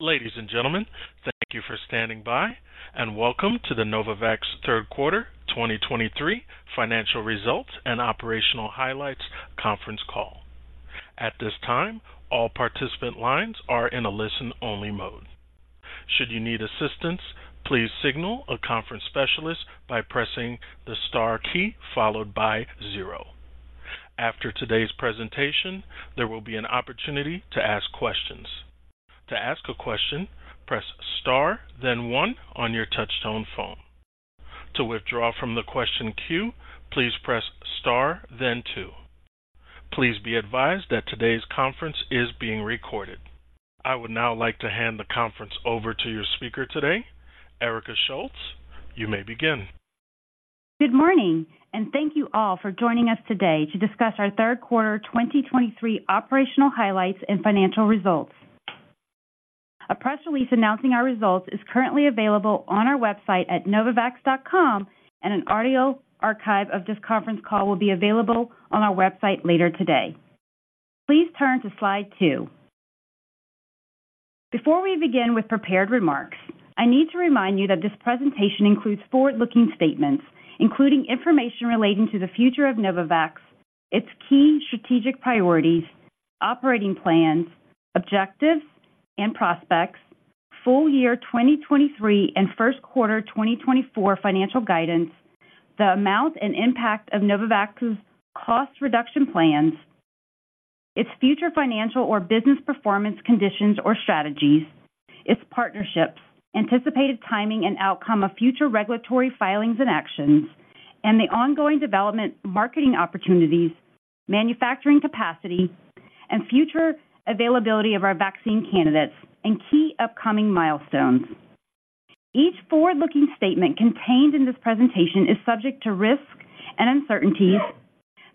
Ladies and gentlemen, thank you for standing by, and welcome to the Novavax Third Quarter 2023 Financial Results and Operational Highlights conference call. At this time, all participant lines are in a listen-only mode. Should you need assistance, please signal a conference specialist by pressing the star key followed by zero. After today's presentation, there will be an opportunity to ask questions. To ask a question, press star, then one on your touchtone phone. To withdraw from the question queue, please press star then two. Please be advised that today's conference is being recorded. I would now like to hand the conference over to your speaker today, Erika Schultz. You may begin. Good morning, and thank you all for joining us today to discuss our third quarter 2023 operational highlights and financial results. A press release announcing our results is currently available on our website at novavax.com, and an audio archive of this conference call will be available on our website later today. Please turn to slide 2. Before we begin with prepared remarks, I need to remind you that this presentation includes forward-looking statements, including information relating to the future of Novavax, its key strategic priorities, operating plans, objectives and prospects, full year 2023 and first quarter 2024 financial guidance, the amount and impact of Novavax's cost reduction plans, its future financial or business performance, conditions or strategies, its partnerships, anticipated timing and outcome of future regulatory filings and actions, and the ongoing development, marketing opportunities, manufacturing capacity, and future availability of our vaccine candidates and key upcoming milestones. Each forward-looking statement contained in this presentation is subject to risks and uncertainties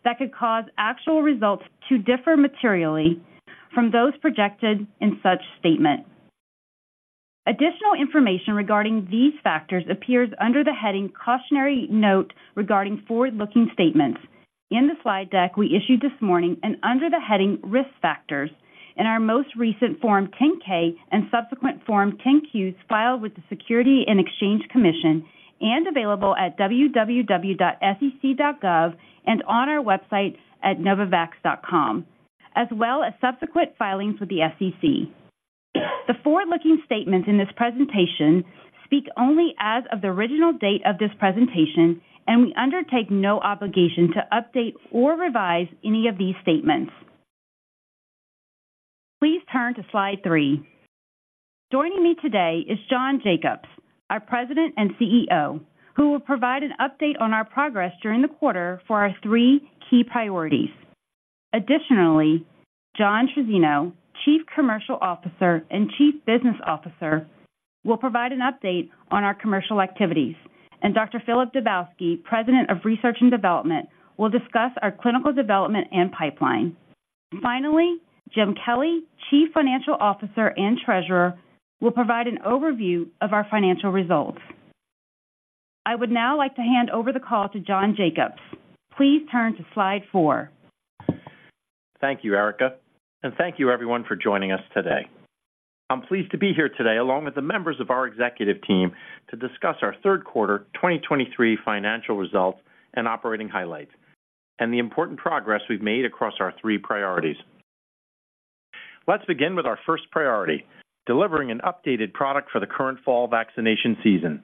that could cause actual results to differ materially from those projected in such statements. Additional information regarding these factors appears under the heading "Cautionary Note Regarding Forward-Looking Statements" in the slide deck we issued this morning and under the heading "Risk Factors" in our most recent Form 10-K and subsequent Form 10-Qs filed with the Securities and Exchange Commission and available at www.sec.gov and on our website at novavax.com, as well as subsequent filings with the SEC. The forward-looking statements in this presentation speak only as of the original date of this presentation, and we undertake no obligation to update or revise any of these statements. Please turn to slide 3. Joining me today is John Jacobs, our President and CEO, who will provide an update on our progress during the quarter for our three key priorities. Additionally, John Trizzino, Chief Commercial Officer and Chief Business Officer, will provide an update on our commercial activities. And Dr. Filip Dubovsky, President of Research and Development, will discuss our clinical development and pipeline. Finally, Jim Kelly, Chief Financial Officer and Treasurer, will provide an overview of our financial results. I would now like to hand over the call to John Jacobs. Please turn to slide four. Thank you, Erica, and thank you, everyone, for joining us today. I'm pleased to be here today, along with the members of our executive team, to discuss our third quarter 2023 financial results and operating highlights and the important progress we've made across our three priorities. Let's begin with our first priority, delivering an updated product for the current fall vaccination season.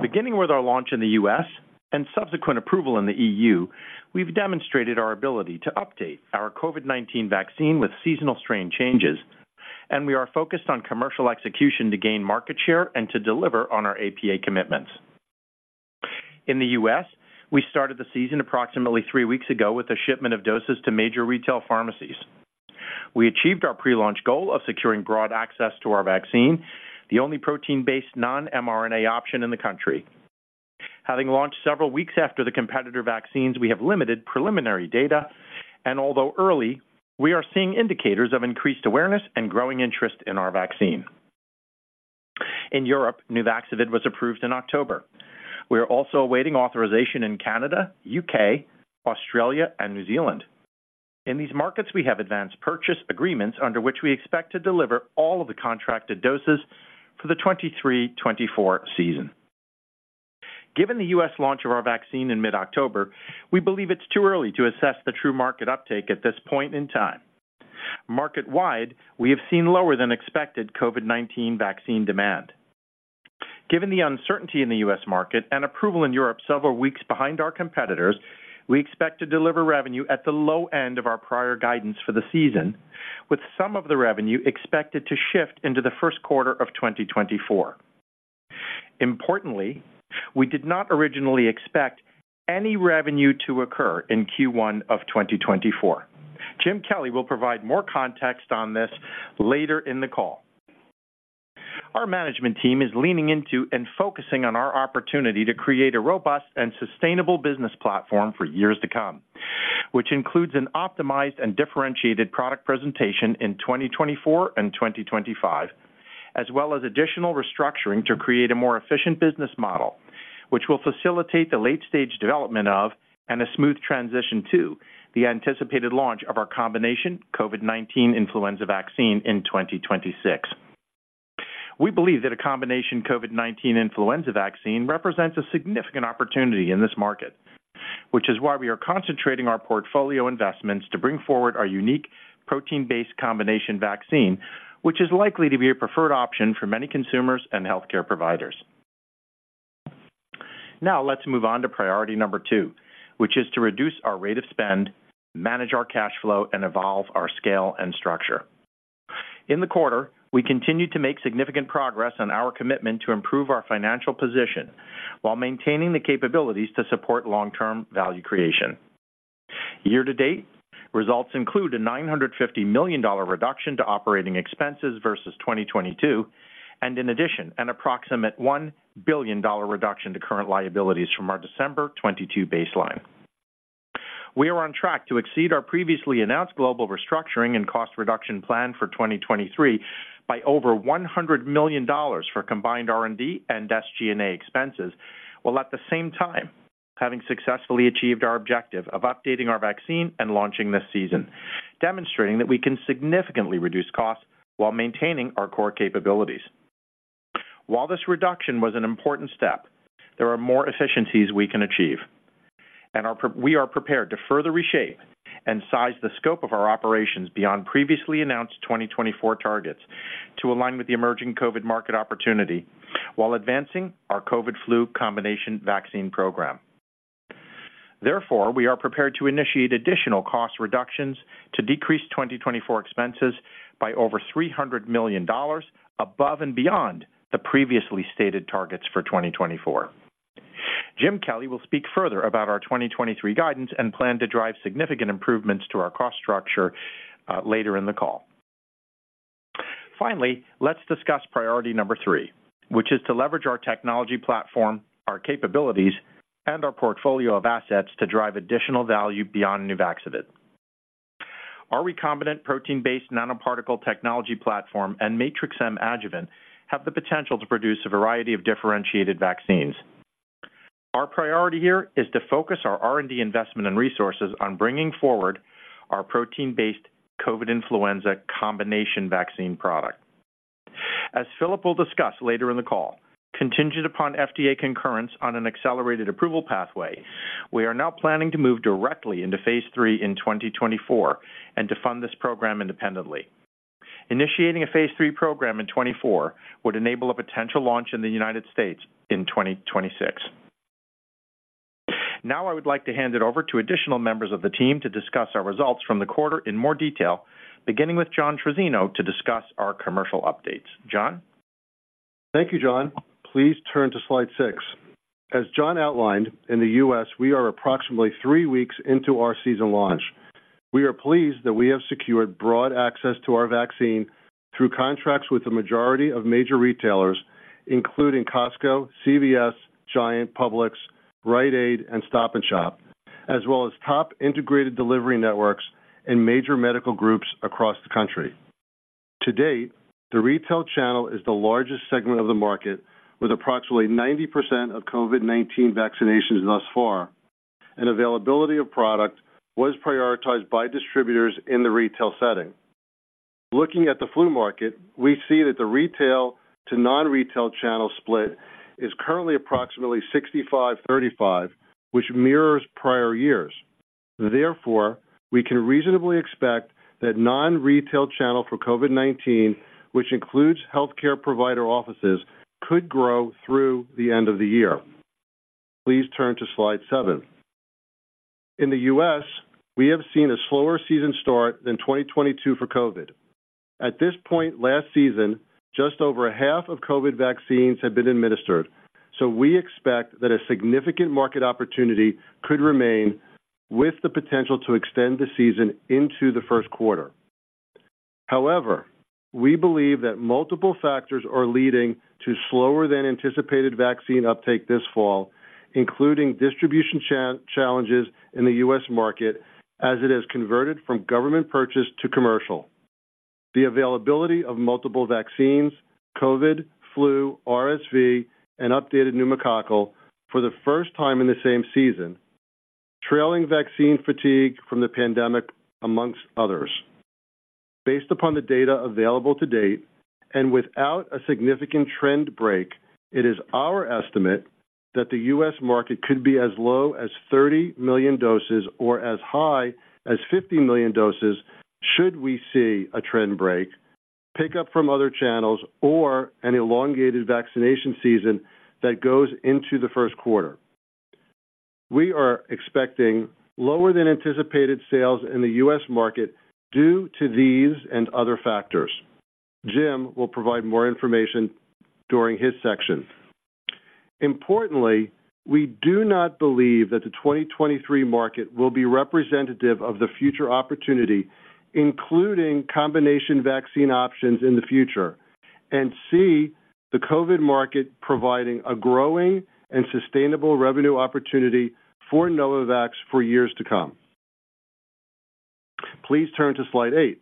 Beginning with our launch in the U.S. and subsequent approval in the E.U., we've demonstrated our ability to update our COVID-19 vaccine with seasonal strain changes, and we are focused on commercial execution to gain market share and to deliver on our APA commitments. In the U.S., we started the season approximately 3 weeks ago with a shipment of doses to major retail pharmacies. We achieved our pre-launch goal of securing broad access to our vaccine, the only protein-based non-mRNA option in the country. Having launched several weeks after the competitor vaccines, we have limited preliminary data, and although early, we are seeing indicators of increased awareness and growing interest in our vaccine. In Europe, Nuvaxovid was approved in October. We are also awaiting authorization in Canada, U.K., Australia, and New Zealand. In these markets, we have advanced purchase agreements under which we expect to deliver all of the contracted doses for the 2023-2024 season. Given the U.S. launch of our vaccine in mid-October, we believe it's too early to assess the true market uptake at this point in time. Market-wide, we have seen lower than expected COVID-19 vaccine demand. Given the uncertainty in the U.S. market and approval in Europe several weeks behind our competitors, we expect to deliver revenue at the low end of our prior guidance for the season, with some of the revenue expected to shift into the first quarter of 2024. Importantly, we did not originally expect any revenue to occur in Q1 of 2024. Jim Kelly will provide more context on this later in the call. Our management team is leaning into and focusing on our opportunity to create a robust and sustainable business platform for years to come, which includes an optimized and differentiated product presentation in 2024 and 2025, as well as additional restructuring to create a more efficient business model.... which will facilitate the late-stage development of and a smooth transition to the anticipated launch of our combination COVID-19 influenza vaccine in 2026. We believe that a combination COVID-19 influenza vaccine represents a significant opportunity in this market, which is why we are concentrating our portfolio investments to bring forward our unique protein-based combination vaccine, which is likely to be a preferred option for many consumers and healthcare providers. Now, let's move on to priority number two, which is to reduce our rate of spend, manage our cash flow, and evolve our scale and structure. In the quarter, we continued to make significant progress on our commitment to improve our financial position while maintaining the capabilities to support long-term value creation. Year-to-date, results include a $950 million reduction to operating expenses versus 2022, and in addition, an approximate $1 billion reduction to current liabilities from our December 2022 baseline. We are on track to exceed our previously announced global restructuring and cost reduction plan for 2023 by over $100 million for combined R&D and SG&A expenses, while at the same time, having successfully achieved our objective of updating our vaccine and launching this season, demonstrating that we can significantly reduce costs while maintaining our core capabilities. While this reduction was an important step, there are more efficiencies we can achieve, and we are prepared to further reshape and size the scope of our operations beyond previously announced 2024 targets to align with the emerging COVID market opportunity, while advancing our COVID flu combination vaccine program. Therefore, we are prepared to initiate additional cost reductions to decrease 2024 expenses by over $300 million above and beyond the previously stated targets for 2024. Jim Kelly will speak further about our 2023 guidance and plan to drive significant improvements to our cost structure later in the call. Finally, let's discuss priority number 3, which is to leverage our technology platform, our capabilities, and our portfolio of assets to drive additional value beyond Nuvaxovid. Our recombinant protein-based nanoparticle technology platform and Matrix-M adjuvant have the potential to produce a variety of differentiated vaccines. Our priority here is to focus our R&D investment and resources on bringing forward our protein-based COVID influenza combination vaccine product. As Filip will discuss later in the call, contingent upon FDA concurrence on an accelerated approval pathway, we are now planning to move directly into phase III in 2024 and to fund this program independently. Initiating a phase III program in 2024 would enable a potential launch in the United States in 2026. Now, I would like to hand it over to additional members of the team to discuss our results from the quarter in more detail, beginning with John Trizzino, to discuss our commercial updates. John? Thank you, John. Please turn to slide 6. As John outlined, in the U.S., we are approximately 3 weeks into our season launch. We are pleased that we have secured broad access to our vaccine through contracts with the majority of major retailers, including Costco, CVS, Giant, Publix, Rite Aid, and Stop and Shop, as well as top integrated delivery networks and major medical groups across the country. To date, the retail channel is the largest segment of the market, with approximately 90% of COVID-19 vaccinations thus far, and availability of product was prioritized by distributors in the retail setting. Looking at the flu market, we see that the retail to non-retail channel split is currently approximately 65/35, which mirrors prior years. Therefore, we can reasonably expect that non-retail channel for COVID-19, which includes healthcare provider offices, could grow through the end of the year. Please turn to slide 7. In the U.S., we have seen a slower season start than 2022 for COVID. At this point last season, just over half of COVID vaccines had been administered, so we expect that a significant market opportunity could remain with the potential to extend the season into the first quarter. However, we believe that multiple factors are leading to slower than anticipated vaccine uptake this fall, including distribution challenges in the U.S. market as it has converted from government purchase to commercial. The availability of multiple vaccines, COVID, flu, RSV, and updated pneumococcal for the first time in the same season, trailing vaccine fatigue from the pandemic, amongst others. Based upon the data available to date, and without a significant trend break, it is our estimate that the U.S. market could be as low as 30 million doses or as high as 50 million doses should we see a trend break, pick up from other channels, or an elongated vaccination season that goes into the first quarter. We are expecting lower than anticipated sales in the U.S. market due to these and other factors. Jim will provide more information during his section. Importantly, we do not believe that the 2023 market will be representative of the future opportunity, including combination vaccine options in the future, and see the COVID market providing a growing and sustainable revenue opportunity for Novavax for years to come.... Please turn to Slide 8.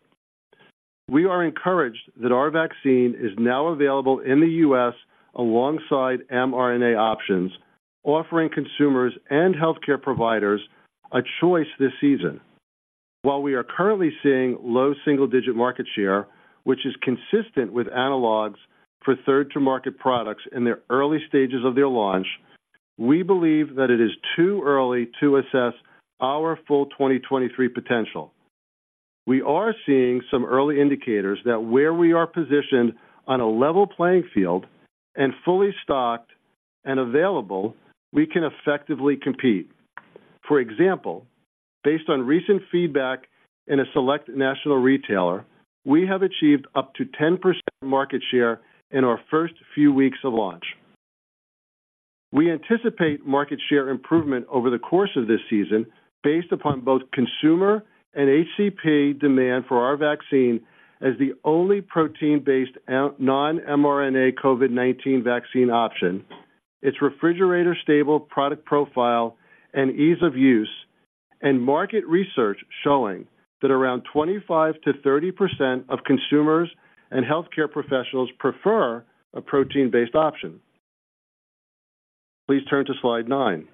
We are encouraged that our vaccine is now available in the U.S. alongside mRNA options, offering consumers and healthcare providers a choice this season. While we are currently seeing low single-digit market share, which is consistent with analogs for third to market products in their early stages of their launch, we believe that it is too early to assess our full 2023 potential. We are seeing some early indicators that where we are positioned on a level playing field and fully stocked and available, we can effectively compete. For example, based on recent feedback in a select national retailer, we have achieved up to 10% market share in our first few weeks of launch. We anticipate market share improvement over the course of this season, based upon both consumer and HCP demand for our vaccine as the only protein-based non-mRNA COVID-19 vaccine option, its refrigerator-stable product profile and ease of use, and market research showing that around 25%-30% of consumers and healthcare professionals prefer a protein-based option. Please turn to Slide 9.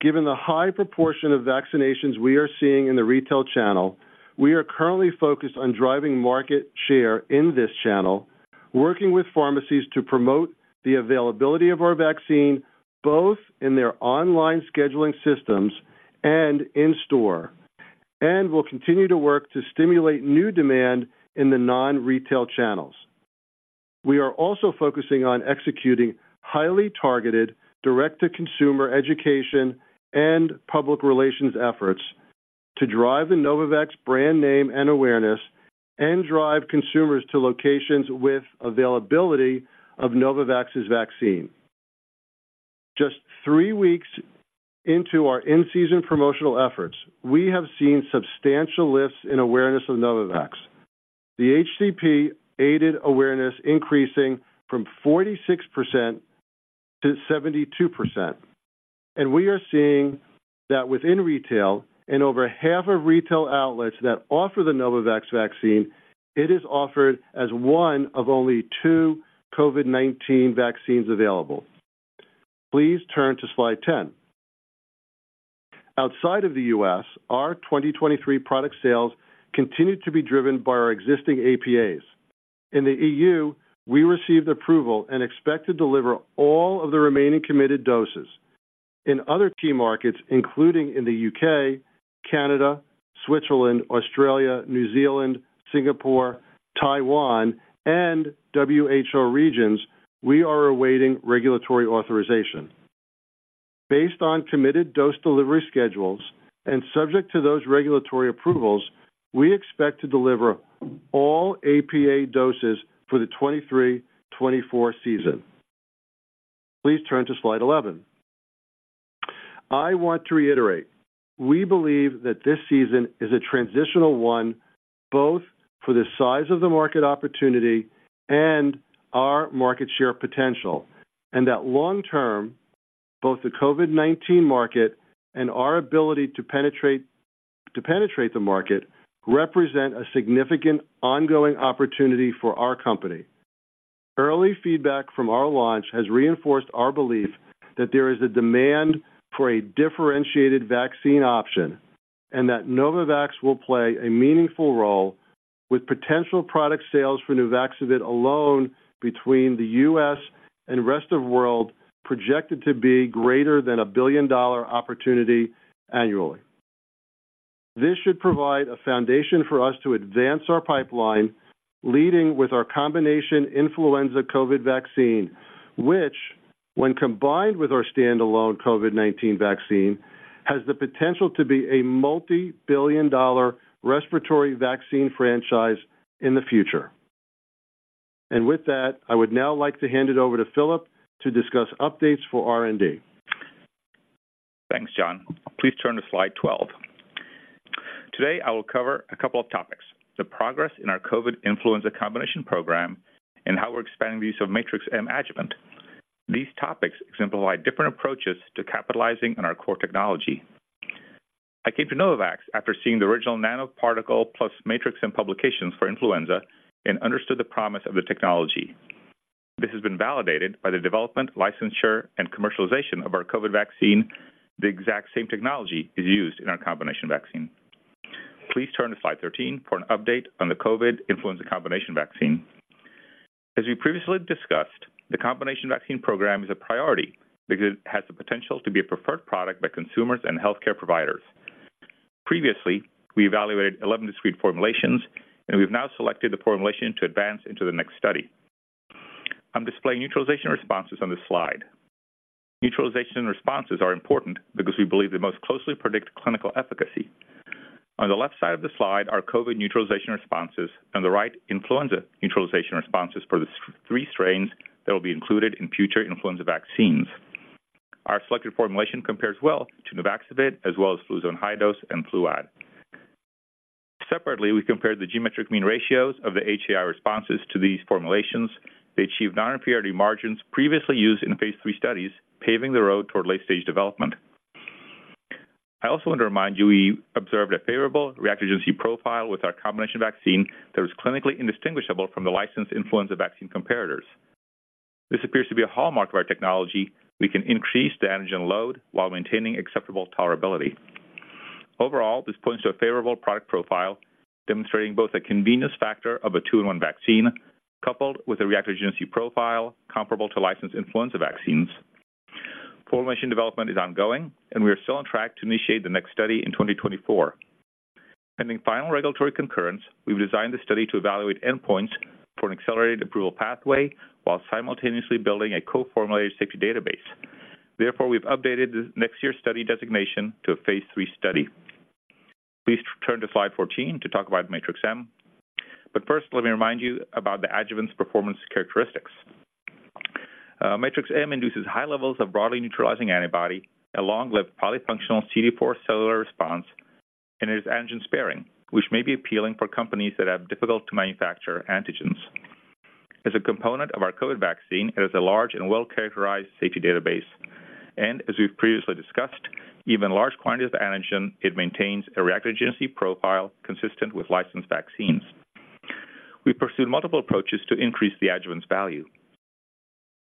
Given the high proportion of vaccinations we are seeing in the retail channel, we are currently focused on driving market share in this channel, working with pharmacies to promote the availability of our vaccine, both in their online scheduling systems and in store, and we'll continue to work to stimulate new demand in the non-retail channels. We are also focusing on executing highly targeted, direct-to-consumer education and public relations efforts to drive the Novavax brand name and awareness and drive consumers to locations with availability of Novavax's vaccine. Just 3 weeks into our in-season promotional efforts, we have seen substantial lifts in awareness of Novavax. The HCP-aided awareness increasing from 46%-72%, and we are seeing that within retail, in over half of retail outlets that offer the Novavax vaccine, it is offered as one of only two COVID-19 vaccines available. Please turn to slide 10. Outside of the U.S., our 2023 product sales continued to be driven by our existing APAs. In the E.U., we received approval and expect to deliver all of the remaining committed doses. In other key markets, including in the U.K., Canada, Switzerland, Australia, New Zealand, Singapore, Taiwan, and WHO regions, we are awaiting regulatory authorization. Based on committed dose delivery schedules and subject to those regulatory approvals, we expect to deliver all APA doses for the 2023-2024 season. Please turn to slide 11. I want to reiterate, we believe that this season is a transitional one, both for the size of the market opportunity and our market share potential, and that long term, both the COVID-19 market and our ability to penetrate, to penetrate the market represent a significant ongoing opportunity for our company. Early feedback from our launch has reinforced our belief that there is a demand for a differentiated vaccine option, and that Novavax will play a meaningful role with potential product sales for Nuvaxovid alone between the U.S. and rest of world, projected to be greater than a billion-dollar opportunity annually. This should provide a foundation for us to advance our pipeline, leading with our combination influenza COVID vaccine, which, when combined with our standalone COVID-19 vaccine, has the potential to be a multi-billion-dollar respiratory vaccine franchise in the future. With that, I would now like to hand it over to Filip to discuss updates for R&D. Thanks, John. Please turn to slide 12. Today, I will cover a couple of topics: the progress in our COVID influenza combination program and how we're expanding the use of Matrix-M adjuvant. These topics exemplify different approaches to capitalizing on our core technology. I came to Novavax after seeing the original nanoparticle plus Matrix-M publications for influenza and understood the promise of the technology. This has been validated by the development, licensure, and commercialization of our COVID vaccine. The exact same technology is used in our combination vaccine. Please turn to slide 13 for an update on the COVID influenza combination vaccine. As we previously discussed, the combination vaccine program is a priority because it has the potential to be a preferred product by consumers and healthcare providers. Previously, we evaluated 11 discrete formulations, and we've now selected the formulation to advance into the next study. I'm displaying neutralization responses on this slide. Neutralization responses are important because we believe they most closely predict clinical efficacy. On the left side of the slide are COVID neutralization responses, and the right, influenza neutralization responses for the three strains that will be included in future influenza vaccines. Our selected formulation compares well to Nuvaxovid, as well as Fluzone High-Dose and Fluad. Separately, we compared the geometric mean ratios of the HAI responses to these formulations. They achieved non-inferiority margins previously used in phase three studies, paving the road toward late-stage development. I also want to remind you, we observed a favorable reactogenicity profile with our combination vaccine that was clinically indistinguishable from the licensed influenza vaccine comparators. This appears to be a hallmark of our technology. We can increase the antigen load while maintaining acceptable tolerability. Overall, this points to a favorable product profile, demonstrating both the convenience factor of a two-in-one vaccine, coupled with a reactogenicity profile comparable to licensed influenza vaccines. Formulation development is ongoing, and we are still on track to initiate the next study in 2024. Pending final regulatory concurrence, we've designed the study to evaluate endpoints for an accelerated approval pathway while simultaneously building a co-formulated safety database. Therefore, we've updated the next year's study designation to a phase 3 study. Please turn to slide 14 to talk about Matrix-M. But first, let me remind you about the adjuvant's performance characteristics. Matrix-M induces high levels of broadly neutralizing antibody, a long-lived polyfunctional CD4 cellular response, and it is antigen-sparing, which may be appealing for companies that have difficult-to-manufacture antigens. As a component of our COVID vaccine, it has a large and well-characterized safety database, and as we've previously discussed, even large quantities of antigen, it maintains a reactogenicity profile consistent with licensed vaccines. We pursued multiple approaches to increase the adjuvant's value.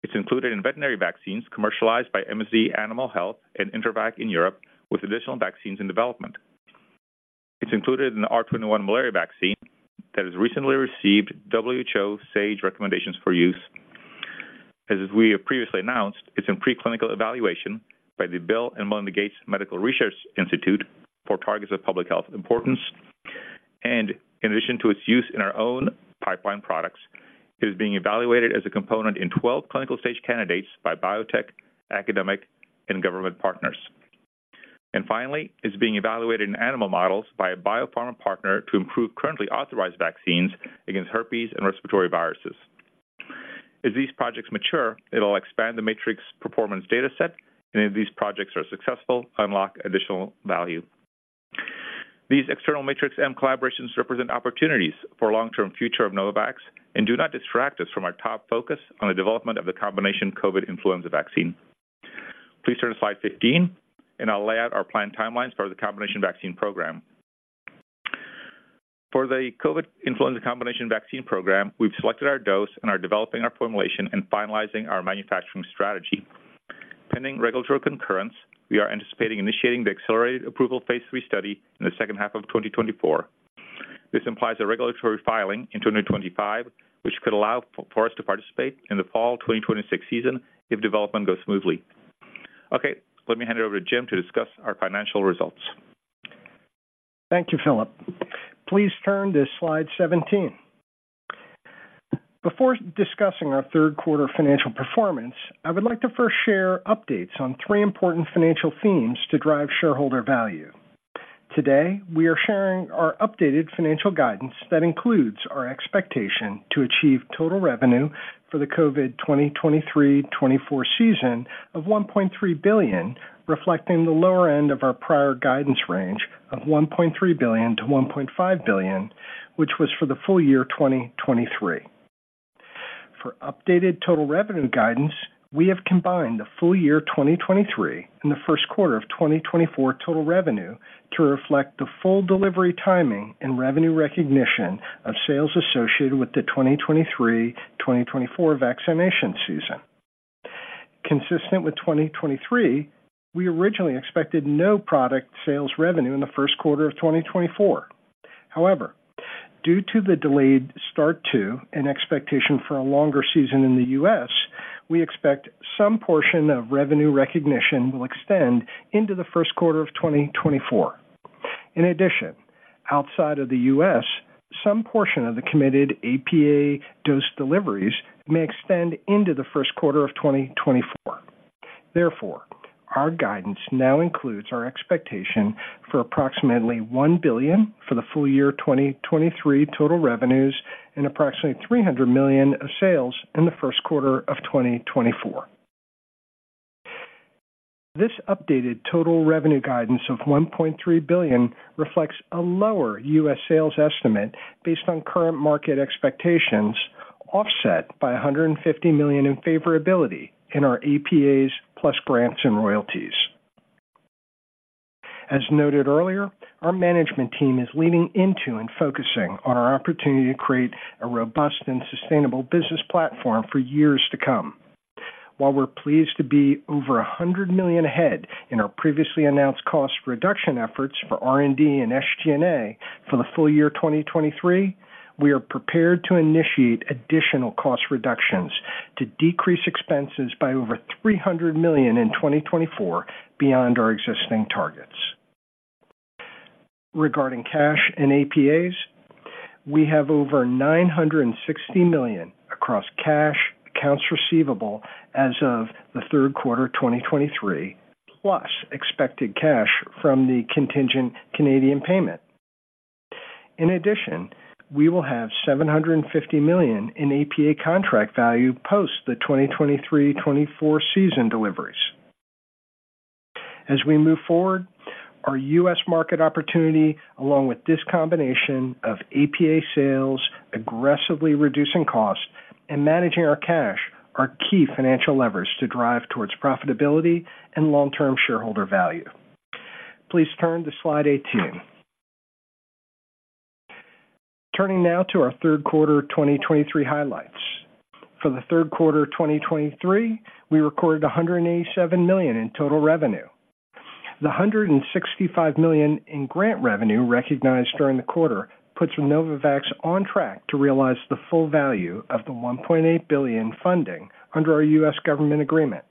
It's included in veterinary vaccines commercialized by MSD Animal Health and Intervet in Europe, with additional vaccines in development. It's included in the R21 malaria vaccine that has recently received WHO SAGE recommendations for use. As we have previously announced, it's in preclinical evaluation by the Bill and Melinda Gates Medical Research Institute for targets of public health importance. In addition to its use in our own pipeline products, it is being evaluated as a component in 12 clinical stage candidates by biotech, academic, and government partners. Finally, it's being evaluated in animal models by a biopharma partner to improve currently authorized vaccines against herpes and respiratory viruses. As these projects mature, it'll expand the Matrix performance data set, and if these projects are successful, unlock additional value. These external Matrix-M collaborations represent opportunities for long-term future of Novavax and do not distract us from our top focus on the development of the combination COVID influenza vaccine. Please turn to slide 15, and I'll lay out our planned timelines for the combination vaccine program. For the COVID influenza combination vaccine program, we've selected our dose and are developing our formulation and finalizing our manufacturing strategy. Pending regulatory concurrence, we are anticipating initiating the accelerated approval phase 3 study in the second half of 2024. This implies a regulatory filing in 2025, which could allow for us to participate in the fall 2026 season if development goes smoothly. Okay, let me hand it over to Jim to discuss our financial results. Thank you, Filip. Please turn to slide 17. Before discussing our third quarter financial performance, I would like to first share updates on three important financial themes to drive shareholder value. Today, we are sharing our updated financial guidance that includes our expectation to achieve total revenue for the COVID 2023-2024 season of $1.3 billion, reflecting the lower end of our prior guidance range of $1.3 billion-$1.5 billion, which was for the full year 2023. For updated total revenue guidance, we have combined the full year 2023 and the first quarter of 2024 total revenue to reflect the full delivery, timing, and revenue recognition of sales associated with the 2023-2024 vaccination season. Consistent with 2023, we originally expected no product sales revenue in the first quarter of 2024. However, due to the delayed start to and expectation for a longer season in the U.S., we expect some portion of revenue recognition will extend into the first quarter of 2024. In addition, outside of the U.S., some portion of the committed APA dose deliveries may extend into the first quarter of 2024. Therefore, our guidance now includes our expectation for approximately $1 billion for the full year 2023 total revenues and approximately $300 million of sales in the first quarter of 2024. This updated total revenue guidance of $1.3 billion reflects a lower U.S. sales estimate based on current market expectations, offset by $150 million in favorability in our APAs, plus grants and royalties. As noted earlier, our management team is leaning into and focusing on our opportunity to create a robust and sustainable business platform for years to come. While we're pleased to be over $100 million ahead in our previously announced cost reduction efforts for R&D and SG&A for the full year 2023, we are prepared to initiate additional cost reductions to decrease expenses by over $300 million in 2024 beyond our existing targets. Regarding cash and APAs, we have over $960 million across cash, accounts receivable as of the third quarter of 2023, plus expected cash from the contingent Canadian payment. In addition, we will have $750 million in APA contract value post the 2023-2024 season deliveries. As we move forward, our U.S. market opportunity, along with this combination of APA sales, aggressively reducing costs, and managing our cash, are key financial levers to drive towards profitability and long-term shareholder value. Please turn to slide 18. Turning now to our third quarter 2023 highlights. For the third quarter of 2023, we recorded $187 million in total revenue. The $165 million in grant revenue recognized during the quarter puts Novavax on track to realize the full value of the $1.8 billion funding under our U.S. government agreement.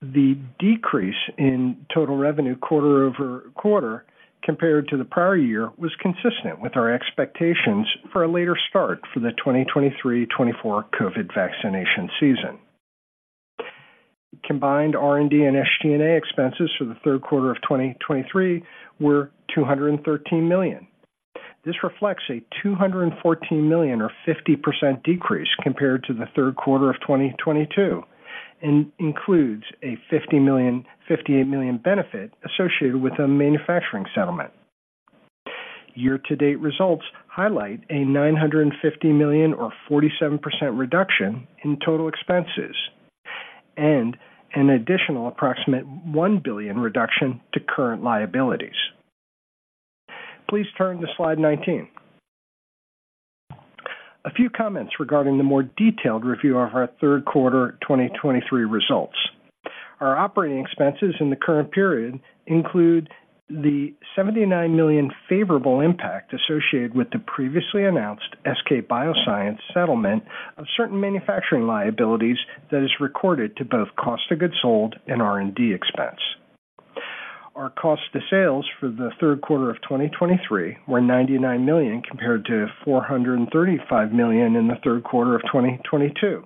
The decrease in total revenue quarter-over-quarter compared to the prior year was consistent with our expectations for a later start for the 2023-2024 COVID vaccination season. Combined R&D and SG&A expenses for the third quarter of 2023 were $213 million. This reflects a $214 million, or 50%, decrease compared to the third quarter of 2022, and includes a $58 million benefit associated with a manufacturing settlement. Year-to-date results highlight a $950 million, or 47%, reduction in total expenses and an additional approximate $1 billion reduction to current liabilities. Please turn to slide 19. A few comments regarding the more detailed review of our third quarter 2023 results. Our operating expenses in the current period include the $79 million favorable impact associated with the previously announced SK Bioscience settlement of certain manufacturing liabilities that is recorded to both cost of goods sold and R&D expense. Our cost of sales for the third quarter of 2023 were $99 million, compared to $435 million in the third quarter of 2022.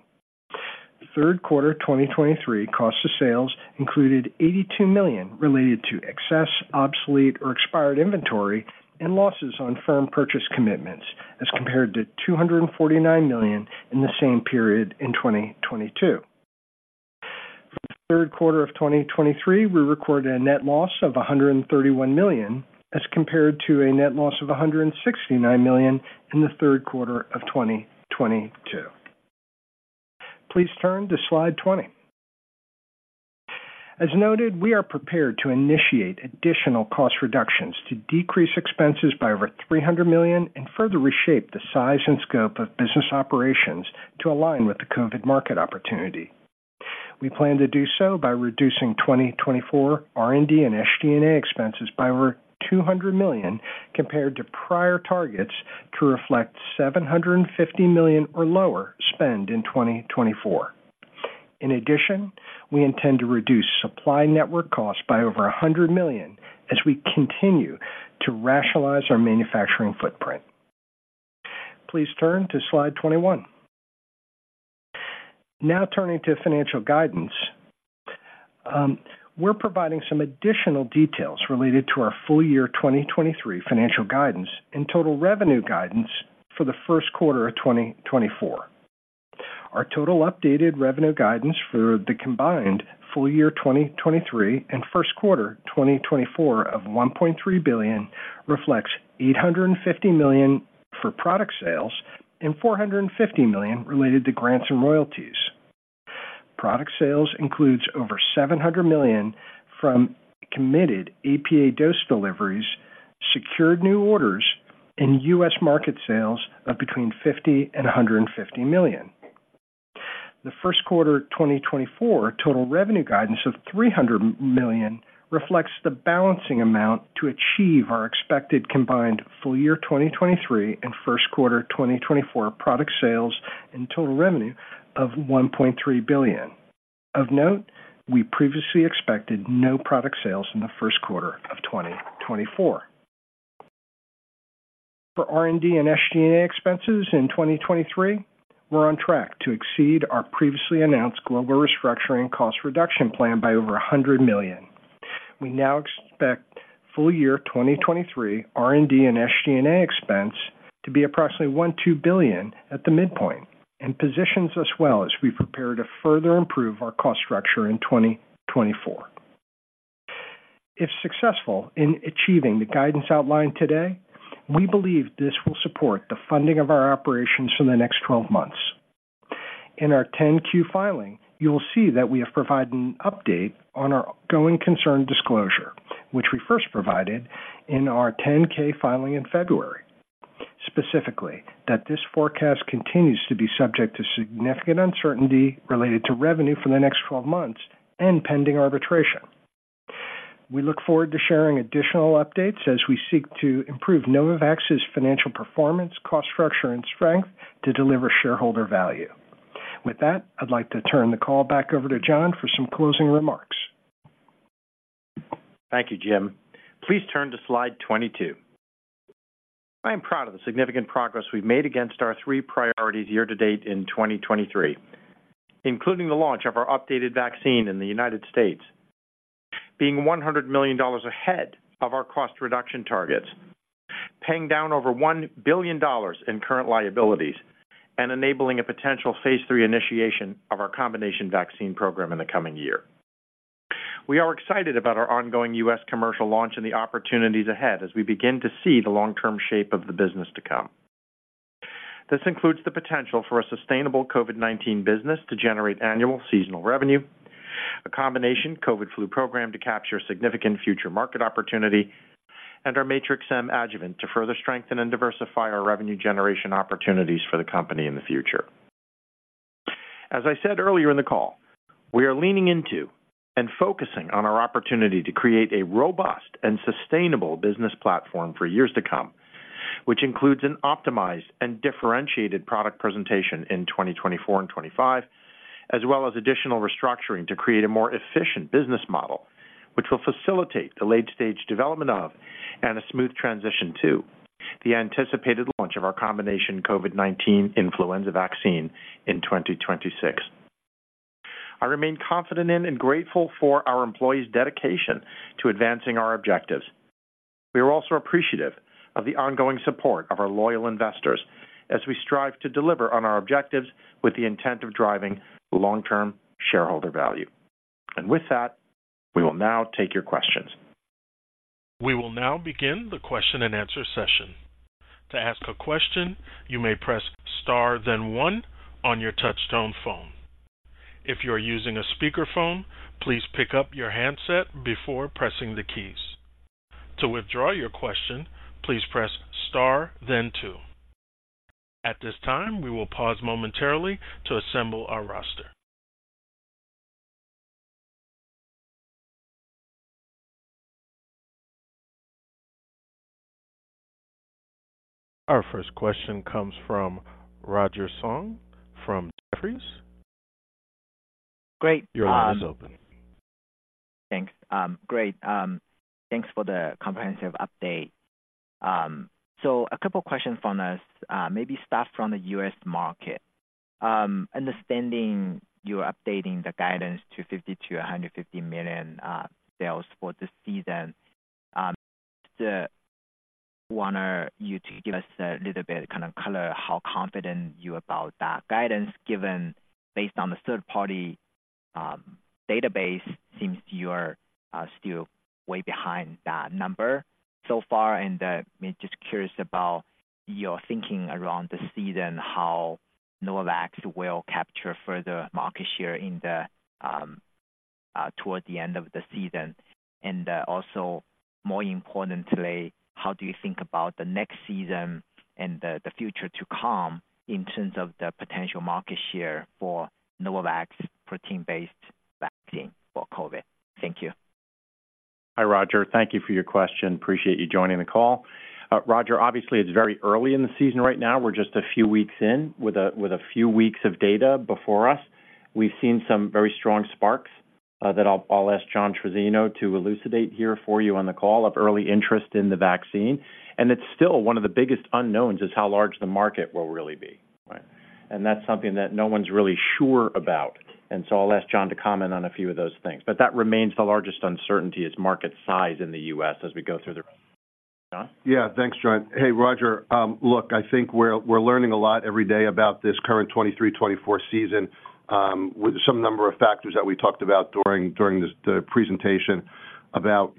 Third quarter 2023 cost of sales included $82 million related to excess, obsolete, or expired inventory and losses on firm purchase commitments, as compared to $249 million in the same period in 2022. For the third quarter of 2023, we recorded a net loss of $131 million, as compared to a net loss of $169 million in the third quarter of 2022. Please turn to slide 20. As noted, we are prepared to initiate additional cost reductions to decrease expenses by over $300 million and further reshape the size and scope of business operations to align with the COVID market opportunity. We plan to do so by reducing 2024 R&D and SG&A expenses by over $200 million compared to prior targets to reflect $750 million or lower spend in 2024. In addition, we intend to reduce supply network costs by over $100 million as we continue to rationalize our manufacturing footprint. Please turn to slide 21. Now, turning to financial guidance, we're providing some additional details related to our full year 2023 financial guidance and total revenue guidance for the first quarter of 2024. Our total updated revenue guidance for the combined full year 2023 and first quarter 2024 of $1.3 billion reflects $850 million for product sales and $450 million related to grants and royalties. Product sales includes over $700 million from committed APA dose deliveries, secured new orders, and U.S. market sales of between $50 million and $150 million. The first quarter of 2024 total revenue guidance of $300 million reflects the balancing amount to achieve our expected combined full year 2023 and first quarter 2024 product sales and total revenue of $1.3 billion. Of note, we previously expected no product sales in the first quarter of 2024. For R&D and SG&A expenses in 2023, we're on track to exceed our previously announced global restructuring cost reduction plan by over $100 million. We now expect full year 2023 R&D and SG&A expense to be approximately $1 billion-$2 billion at the midpoint, and positions us well as we prepare to further improve our cost structure in 2024. If successful in achieving the guidance outlined today, we believe this will support the funding of our operations for the next 12 months. In our 10-Q filing, you will see that we have provided an update on our going concern disclosure, which we first provided in our 10-K filing in February. Specifically, that this forecast continues to be subject to significant uncertainty related to revenue for the next twelve months and pending arbitration. We look forward to sharing additional updates as we seek to improve Novavax's financial performance, cost structure, and strength to deliver shareholder value. With that, I'd like to turn the call back over to John for some closing remarks. Thank you, Jim. Please turn to slide 22. I am proud of the significant progress we've made against our three priorities year to date in 2023, including the launch of our updated vaccine in the United States, being $100 million ahead of our cost reduction targets, paying down over $1 billion in current liabilities and enabling a potential phase 3 initiation of our combination vaccine program in the coming year. We are excited about our ongoing US commercial launch and the opportunities ahead as we begin to see the long-term shape of the business to come. This includes the potential for a sustainable COVID-19 business to generate annual seasonal revenue, a combination COVID flu program to capture significant future market opportunity, and our Matrix-M adjuvant to further strengthen and diversify our revenue generation opportunities for the company in the future. As I said earlier in the call, we are leaning into and focusing on our opportunity to create a robust and sustainable business platform for years to come, which includes an optimized and differentiated product presentation in 2024 and 2025, as well as additional restructuring to create a more efficient business model, which will facilitate the late-stage development of, and a smooth transition to, the anticipated launch of our combination COVID-19 influenza vaccine in 2026. I remain confident in and grateful for our employees' dedication to advancing our objectives. We are also appreciative of the ongoing support of our loyal investors as we strive to deliver on our objectives with the intent of driving long-term shareholder value. With that, we will now take your questions. We will now begin the question-and-answer session. To ask a question, you may press star, then one on your touchtone phone. If you are using a speakerphone, please pick up your handset before pressing the keys. To withdraw your question, please press star, then two. At this time, we will pause momentarily to assemble our roster. Our first question comes from Roger Song from Jefferies. Great, um- Your line is open. Thanks. Great. Thanks for the comprehensive update. So a couple questions from us. Maybe start from the U.S. market. Understanding you're updating the guidance to $50 million-$150 million sales for the season, just want you to give us a little bit of kind of color, how confident you about that guidance, given based on the third-party database, seems you're still way behind that number so far. And we're just curious about your thinking around the season, how Novavax will capture further market share in the towards the end of the season. And also, more importantly, how do you think about the next season and the future to come in terms of the potential market share for Novavax protein-based vaccine for COVID? Thank you. Hi, Roger. Thank you for your question. Appreciate you joining the call. Roger, obviously, it's very early in the season right now. We're just a few weeks in with a few weeks of data before us. We've seen some very strong sparks that I'll ask John Trizzino to elucidate here for you on the call of early interest in the vaccine. And it's still one of the biggest unknowns, is how large the market will really be, right? And that's something that no one's really sure about, and so I'll ask John to comment on a few of those things. But that remains the largest uncertainty, is market size in the U.S. as we go through the... John? Yeah. Thanks, John. Hey, Roger. Look, I think we're learning a lot every day about this current 2023-2024 season with some number of factors that we talked about during this presentation about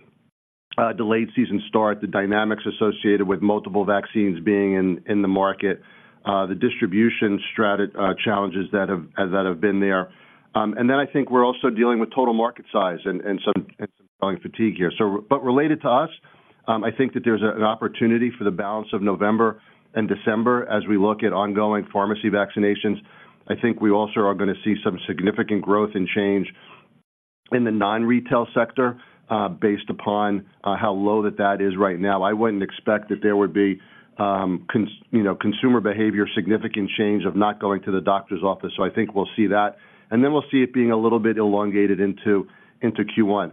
delayed season start, the dynamics associated with multiple vaccines being in the market, the distribution strategy challenges that have been there. And then I think we're also dealing with total market size and some fatigue here. So but related to us, I think that there's an opportunity for the balance of November and December as we look at ongoing pharmacy vaccinations. I think we also are going to see some significant growth and change in the non-retail sector based upon how low that is right now. I wouldn't expect that there would be, you know, consumer behavior, significant change of not going to the doctor's office. So I think we'll see that, and then we'll see it being a little bit elongated into Q1.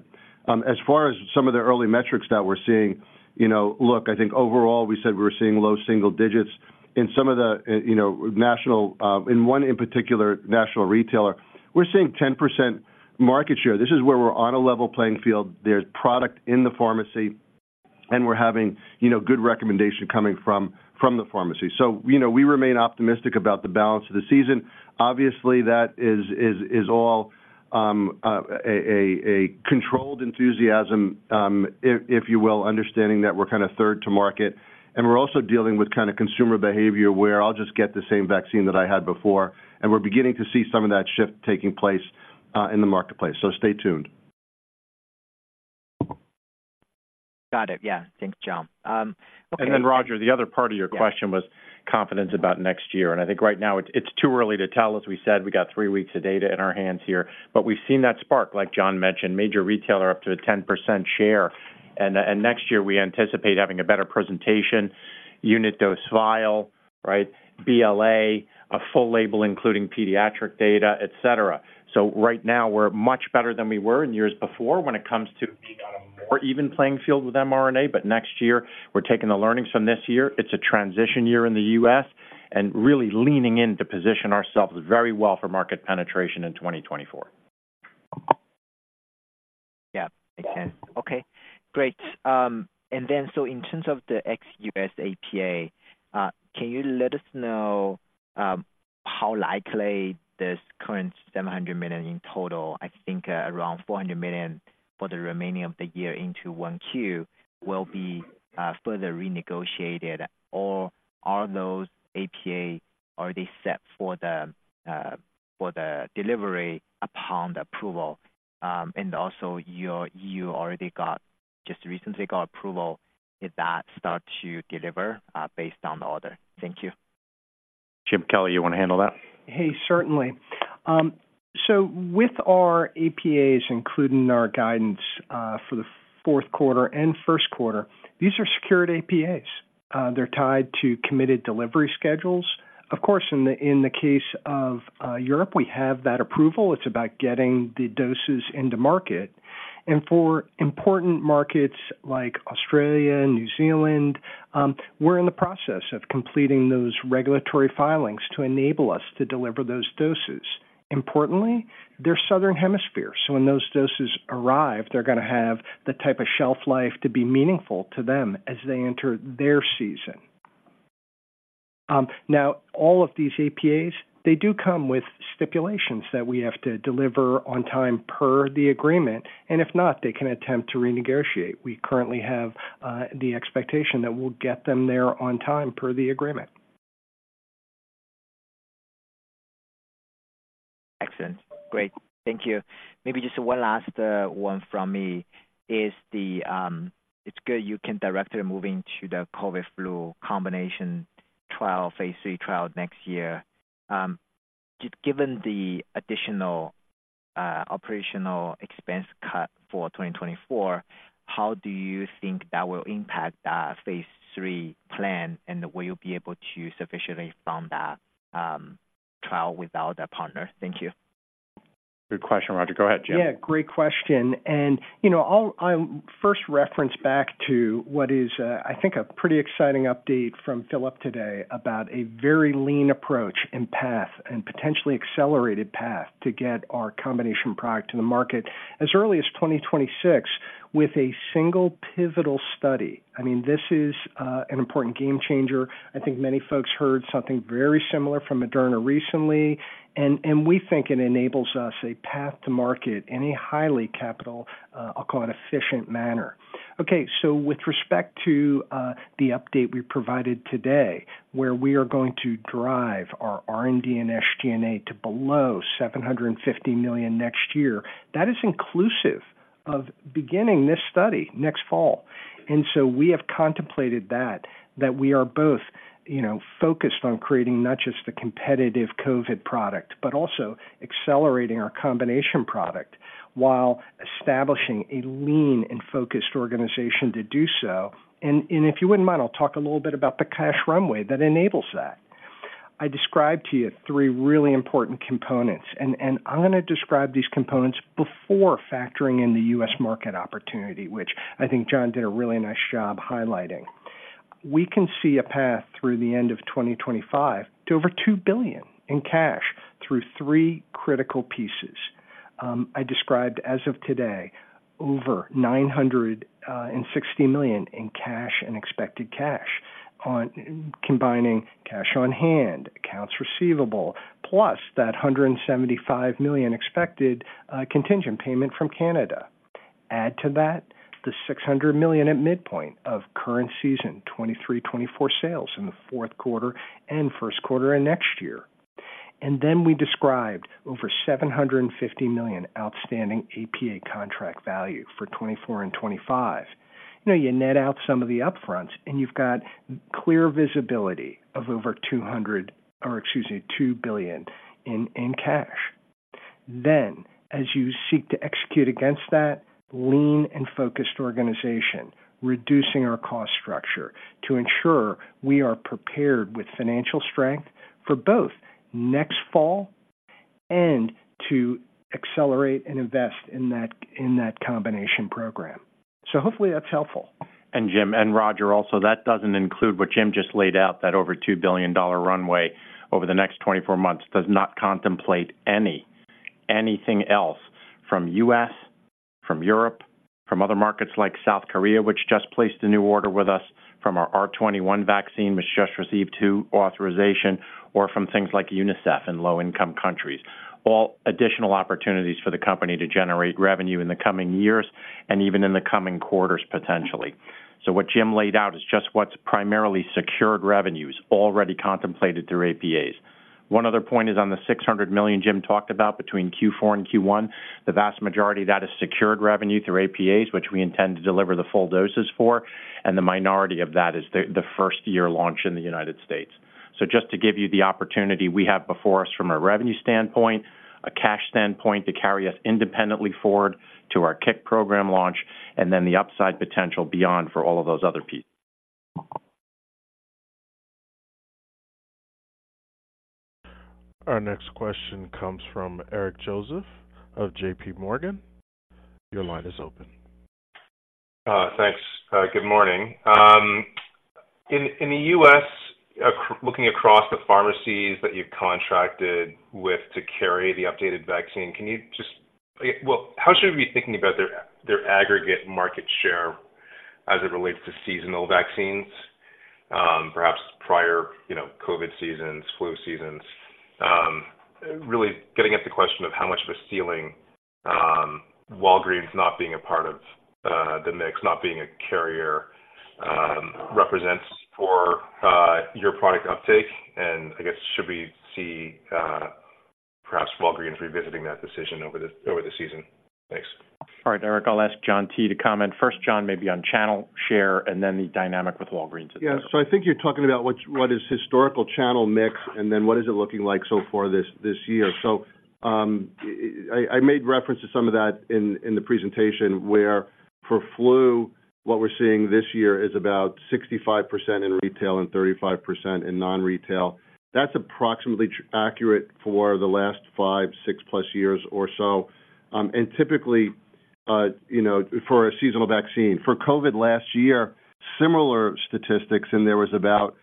As far as some of the early metrics that we're seeing, you know, look, I think overall, we said we were seeing low single digits in some of the, you know, national, in one in particular, national retailer, we're seeing 10% market share. This is where we're on a level playing field. There's product in the pharmacy, and we're having, you know, good recommendation coming from the pharmacy. So, you know, we remain optimistic about the balance of the season. Obviously, that is all a controlled enthusiasm, if you will, understanding that we're kind of third to market, and we're also dealing with kind of consumer behavior where I'll just get the same vaccine that I had before, and we're beginning to see some of that shift taking place in the marketplace. So stay tuned. Got it. Yeah. Thanks, John. And then, Roger, the other part of your question- Yeah. was confidence about next year. And I think right now it's too early to tell. As we said, we got three weeks of data in our hands here. But we've seen that spark, like John mentioned, major retailer up to a 10% share. And next year, we anticipate having a better presentation, unit dose vial, right, BLA, a full label, including pediatric data, et cetera. So right now we're much better than we were in years before when it comes to being on a more even playing field with mRNA. But next year, we're taking the learnings from this year. It's a transition year in the U.S., and really leaning in to position ourselves very well for market penetration in 2024.... Yeah, makes sense. Okay, great. And then so in terms of the ex-US APA, can you let us know, how likely this current $700 million in total, I think around $400 million for the remaining of the year into 1Q, will be, further renegotiated? Or are those APA, are they set for the, for the delivery upon the approval? And also, you already got, just recently got approval. Did that start to deliver, based on the order? Thank you. Jim Kelly, you want to handle that? Hey, certainly. So with our APAs, including our guidance for the fourth quarter and first quarter, these are secured APAs. They're tied to committed delivery schedules. Of course, in the case of Europe, we have that approval. It's about getting the doses into market. And for important markets like Australia and New Zealand, we're in the process of completing those regulatory filings to enable us to deliver those doses. Importantly, they're Southern Hemisphere, so when those doses arrive, they're going to have the type of shelf life to be meaningful to them as they enter their season. Now, all of these APAs, they do come with stipulations that we have to deliver on time per the agreement, and if not, they can attempt to renegotiate. We currently have the expectation that we'll get them there on time per the agreement. Excellent. Great. Thank you. Maybe just one last one from me. Is the, it's good you can directly move into the COVID flu combination trial, phase three trial next year. Given the additional, operational expense cut for 2024, how do you think that will impact that phase three plan, and will you be able to sufficiently fund that, trial without a partner? Thank you. Good question, Roger. Go ahead, Jim. Yeah, great question. And you know, I'll, I'll first reference back to what is, I think a pretty exciting update from Filip today about a very lean approach and path, and potentially accelerated path, to get our combination product to the market as early as 2026 with a single pivotal study. I mean, this is, an important game changer. I think many folks heard something very similar from Moderna recently, and, and we think it enables us a path to market in a highly capital, I'll call it, efficient manner. Okay, so with respect to, the update we provided today, where we are going to drive our R&D and SG&A to below $750 million next year, that is inclusive of beginning this study next fall. And so we have contemplated that, that we are both, you know, focused on creating not just the competitive COVID product, but also accelerating our combination product while establishing a lean and focused organization to do so. And, and if you wouldn't mind, I'll talk a little bit about the cash runway that enables that. I described to you three really important components, and, and I'm going to describe these components before factoring in the U.S. market opportunity, which I think John did a really nice job highlighting. We can see a path through the end of 2025 to over $2 billion in cash through three critical pieces. I described as of today, over $960 million in cash and expected cash on combining cash on hand, accounts receivable, plus that $175 million expected contingent payment from Canada. Add to that the $600 million at midpoint of current 2023-2024 season sales in the fourth quarter and first quarter of next year. And then we described over $750 million outstanding APA contract value for 2024 and 2025. You know, you net out some of the upfronts, and you've got clear visibility of over $200, or excuse me, $2 billion in cash. Then, as you seek to execute against that lean and focused organization, reducing our cost structure to ensure we are prepared with financial strength for both next fall and to accelerate and invest in that combination program. So hopefully that's helpful. Jim and Roger also, that doesn't include what Jim just laid out, that over $2 billion runway over the next 24 months does not contemplate any, anything else from U.S., from Europe, from other markets like South Korea, which just placed a new order with us from our R21 vaccine, which just received two authorization, or from things like UNICEF in low-income countries. All additional opportunities for the company to generate revenue in the coming years and even in the coming quarters, potentially. So what Jim laid out is just what's primarily secured revenues already contemplated through APAs. One other point is on the $600 million Jim talked about between Q4 and Q1. The vast majority of that is secured revenue through APAs, which we intend to deliver the full doses for, and the minority of that is the, the first-year launch in the United States. So just to give you the opportunity we have before us from a revenue standpoint, a cash standpoint to carry us independently forward to our CIC program launch, and then the upside potential beyond for all of those other p- Our next question comes from Eric Joseph of JPMorgan. Your line is open.... Thanks. Good morning. In the U.S., looking across the pharmacies that you've contracted with to carry the updated vaccine, can you just—well, how should we be thinking about their aggregate market share as it relates to seasonal vaccines, perhaps prior, you know, COVID seasons, flu seasons? Really getting at the question of how much of a ceiling Walgreens not being a part of the mix, not being a carrier, represents for your product uptake, and I guess, should we see perhaps Walgreens revisiting that decision over the season? Thanks. All right, Eric, I'll ask John T. to comment first, John, maybe on channel share and then the dynamic with Walgreens. Yeah. So I think you're talking about what is historical channel mix, and then what is it looking like so far this year? So, I made reference to some of that in the presentation, where for flu, what we're seeing this year is about 65% in retail and 35% in non-retail. That's approximately accurate for the last 5, 6+ years or so. And typically, you know, for a seasonal vaccine. For COVID last year, similar statistics, and there was about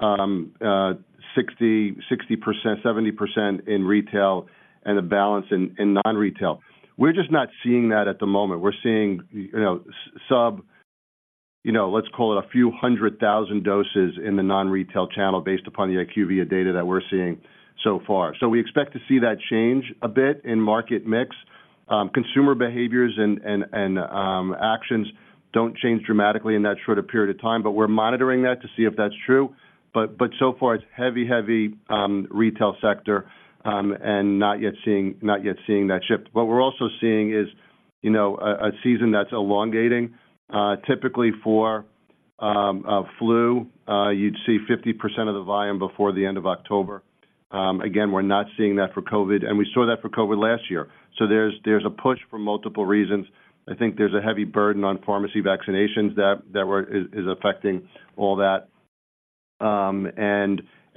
60%-70% in retail and a balance in non-retail. We're just not seeing that at the moment. We're seeing, you know, let's call it a few hundred thousand doses in the non-retail channel based upon the IQVIA data that we're seeing so far. So we expect to see that change a bit in market mix. Consumer behaviors and actions don't change dramatically in that short a period of time, but we're monitoring that to see if that's true. But so far, it's heavy, heavy retail sector, and not yet seeing that shift. What we're also seeing is, you know, a season that's elongating. Typically for a flu, you'd see 50% of the volume before the end of October. Again, we're not seeing that for COVID, and we saw that for COVID last year. So there's a push for multiple reasons. I think there's a heavy burden on pharmacy vaccinations that is affecting all that.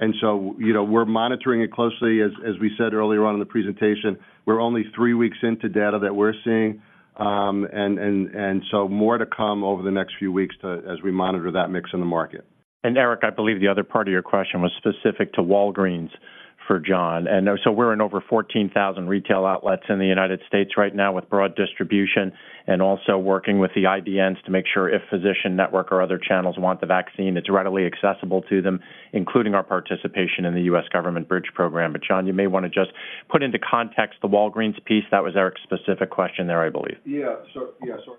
And so, you know, we're monitoring it closely. As we said earlier on in the presentation, we're only three weeks into data that we're seeing, and so more to come over the next few weeks to—as we monitor that mix in the market. And Eric, I believe the other part of your question was specific to Walgreens for John. And so we're in over 14,000 retail outlets in the United States right now with broad distribution and also working with the IDNs to make sure if physician network or other channels want the vaccine, it's readily accessible to them, including our participation in the U.S. government Bridge program. But John, you may want to just put into context the Walgreens piece. That was Eric's specific question there, I believe. Yeah. So, yeah, sorry.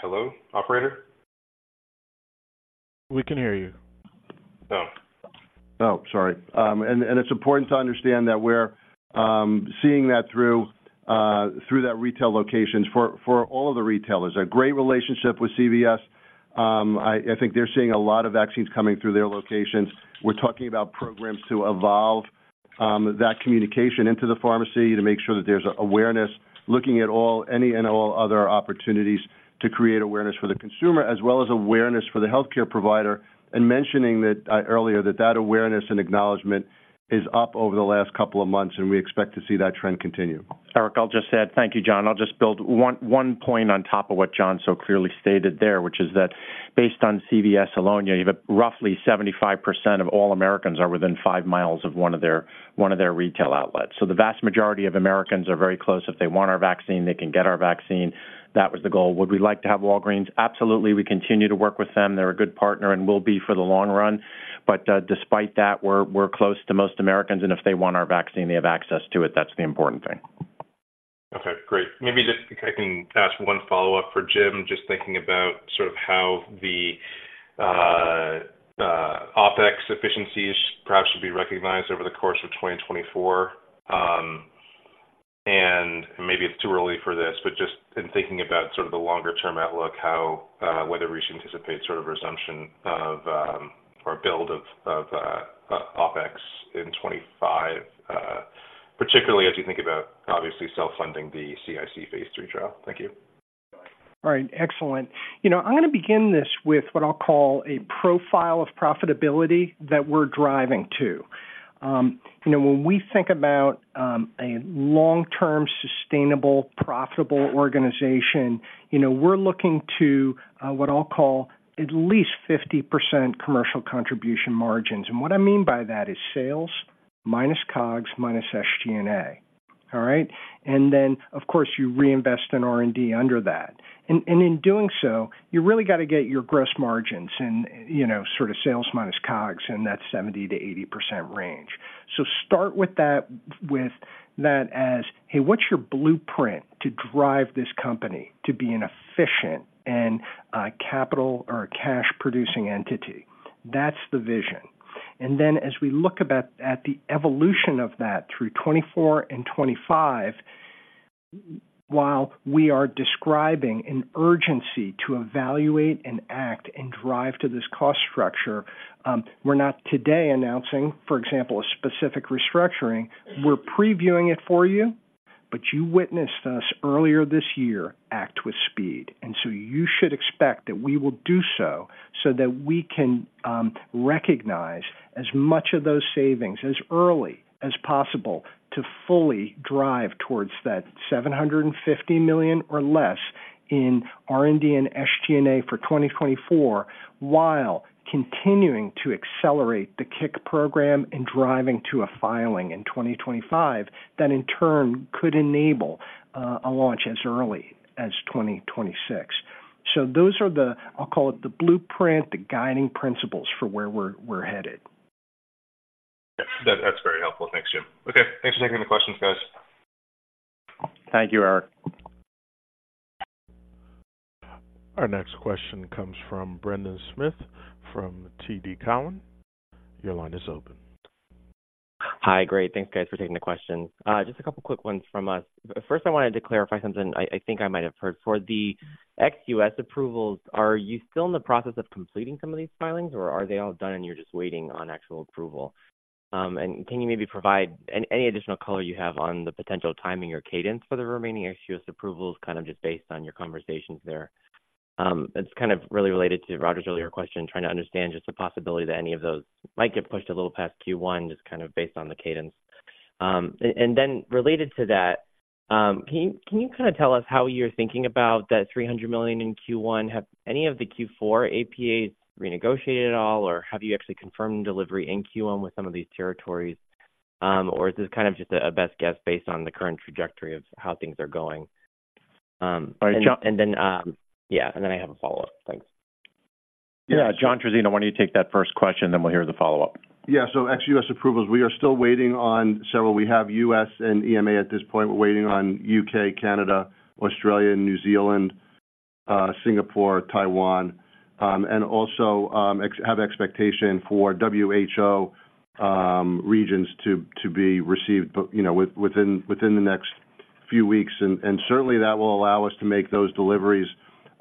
Hello, operator? We can hear you. Oh. Oh, sorry. And it's important to understand that we're seeing that through that retail locations for all of the retailers. A great relationship with CVS. I think they're seeing a lot of vaccines coming through their locations. We're talking about programs to evolve that communication into the pharmacy to make sure that there's awareness, looking at any and all other opportunities to create awareness for the consumer, as well as awareness for the healthcare provider. And mentioning that earlier, that that awareness and acknowledgment is up over the last couple of months, and we expect to see that trend continue. Eric, I'll just add. Thank you, John. I'll just build one point on top of what John so clearly stated there, which is that based on CVS alone, you have roughly 75% of all Americans are within five miles of one of their retail outlets. So the vast majority of Americans are very close. If they want our vaccine, they can get our vaccine. That was the goal. Would we like to have Walgreens? Absolutely. We continue to work with them. They're a good partner and will be for the long run. But despite that, we're close to most Americans, and if they want our vaccine, they have access to it. That's the important thing. Okay, great. Maybe just if I can ask one follow-up for Jim, just thinking about sort of how the OpEx efficiencies perhaps should be recognized over the course of 2024. And maybe it's too early for this, but just in thinking about sort of the longer-term outlook, how whether we should anticipate sort of resumption of or build of OpEx in 2025, particularly as you think about obviously self-funding the CIC phase III trial. Thank you. All right. Excellent. You know, I'm gonna begin this with what I'll call a profile of profitability that we're driving to. You know, when we think about a long-term, sustainable, profitable organization, you know, we're looking to what I'll call at least 50% commercial contribution margins. And what I mean by that is sales minus COGS, minus SG&A. All right? And then, of course, you reinvest in R&D under that. And in doing so, you really got to get your gross margins and, you know, sort of sales minus COGS in that 70%-80% range. So start with that, with that as, hey, what's your blueprint to drive this company to be an efficient and capital or a cash-producing entity? That's the vision. Then as we look about at the evolution of that through 2024 and 2025, while we are describing an urgency to evaluate and act and drive to this cost structure, we're not today announcing, for example, a specific restructuring. We're previewing it for you, but you witnessed us earlier this year act with speed, and so you should expect that we will do so, so that we can recognize as much of those savings as early as possible to fully drive towards that $750 million or less in R&D and SG&A for 2024, while continuing to accelerate the CIC program and driving to a filing in 2025. That in turn could enable a launch as early as 2026. So those are the, I'll call it the blueprint, the guiding principles for where we're headed. That's very helpful. Thanks, Jim. Okay, thanks for taking the questions, guys. Thank you, Eric. Our next question comes from Brendan Smith, from TD Cowen. Your line is open. Hi. Great, thanks, guys, for taking the question. Just a couple quick ones from us. First, I wanted to clarify something I think I might have heard. For the ex-U.S. approvals, are you still in the process of completing some of these filings, or are they all done and you're just waiting on actual approval? And can you maybe provide any additional color you have on the potential timing or cadence for the remaining ex-U.S. approvals, kind of just based on your conversations there? It's kind of really related to Roger's earlier question, trying to understand just the possibility that any of those might get pushed a little past Q1, just kind of based on the cadence. And then related to that, can you kind of tell us how you're thinking about that $300 million in Q1? Have any of the Q4 APAs renegotiated at all, or have you actually confirmed delivery in Q1 with some of these territories? Or is this kind of just a best guess based on the current trajectory of how things are going? And then, yeah, and then I have a follow-up. Thanks. Yeah. John Trizzino, why don't you take that first question, then we'll hear the follow-up. Yeah, so ex-U.S. approvals, we are still waiting on several. We have U.S. and EMA at this point. We're waiting on U.K., Canada, Australia, New Zealand, Singapore, Taiwan, and also have expectation for WHO regions to be received, but, you know, within the next few weeks. And certainly that will allow us to make those deliveries,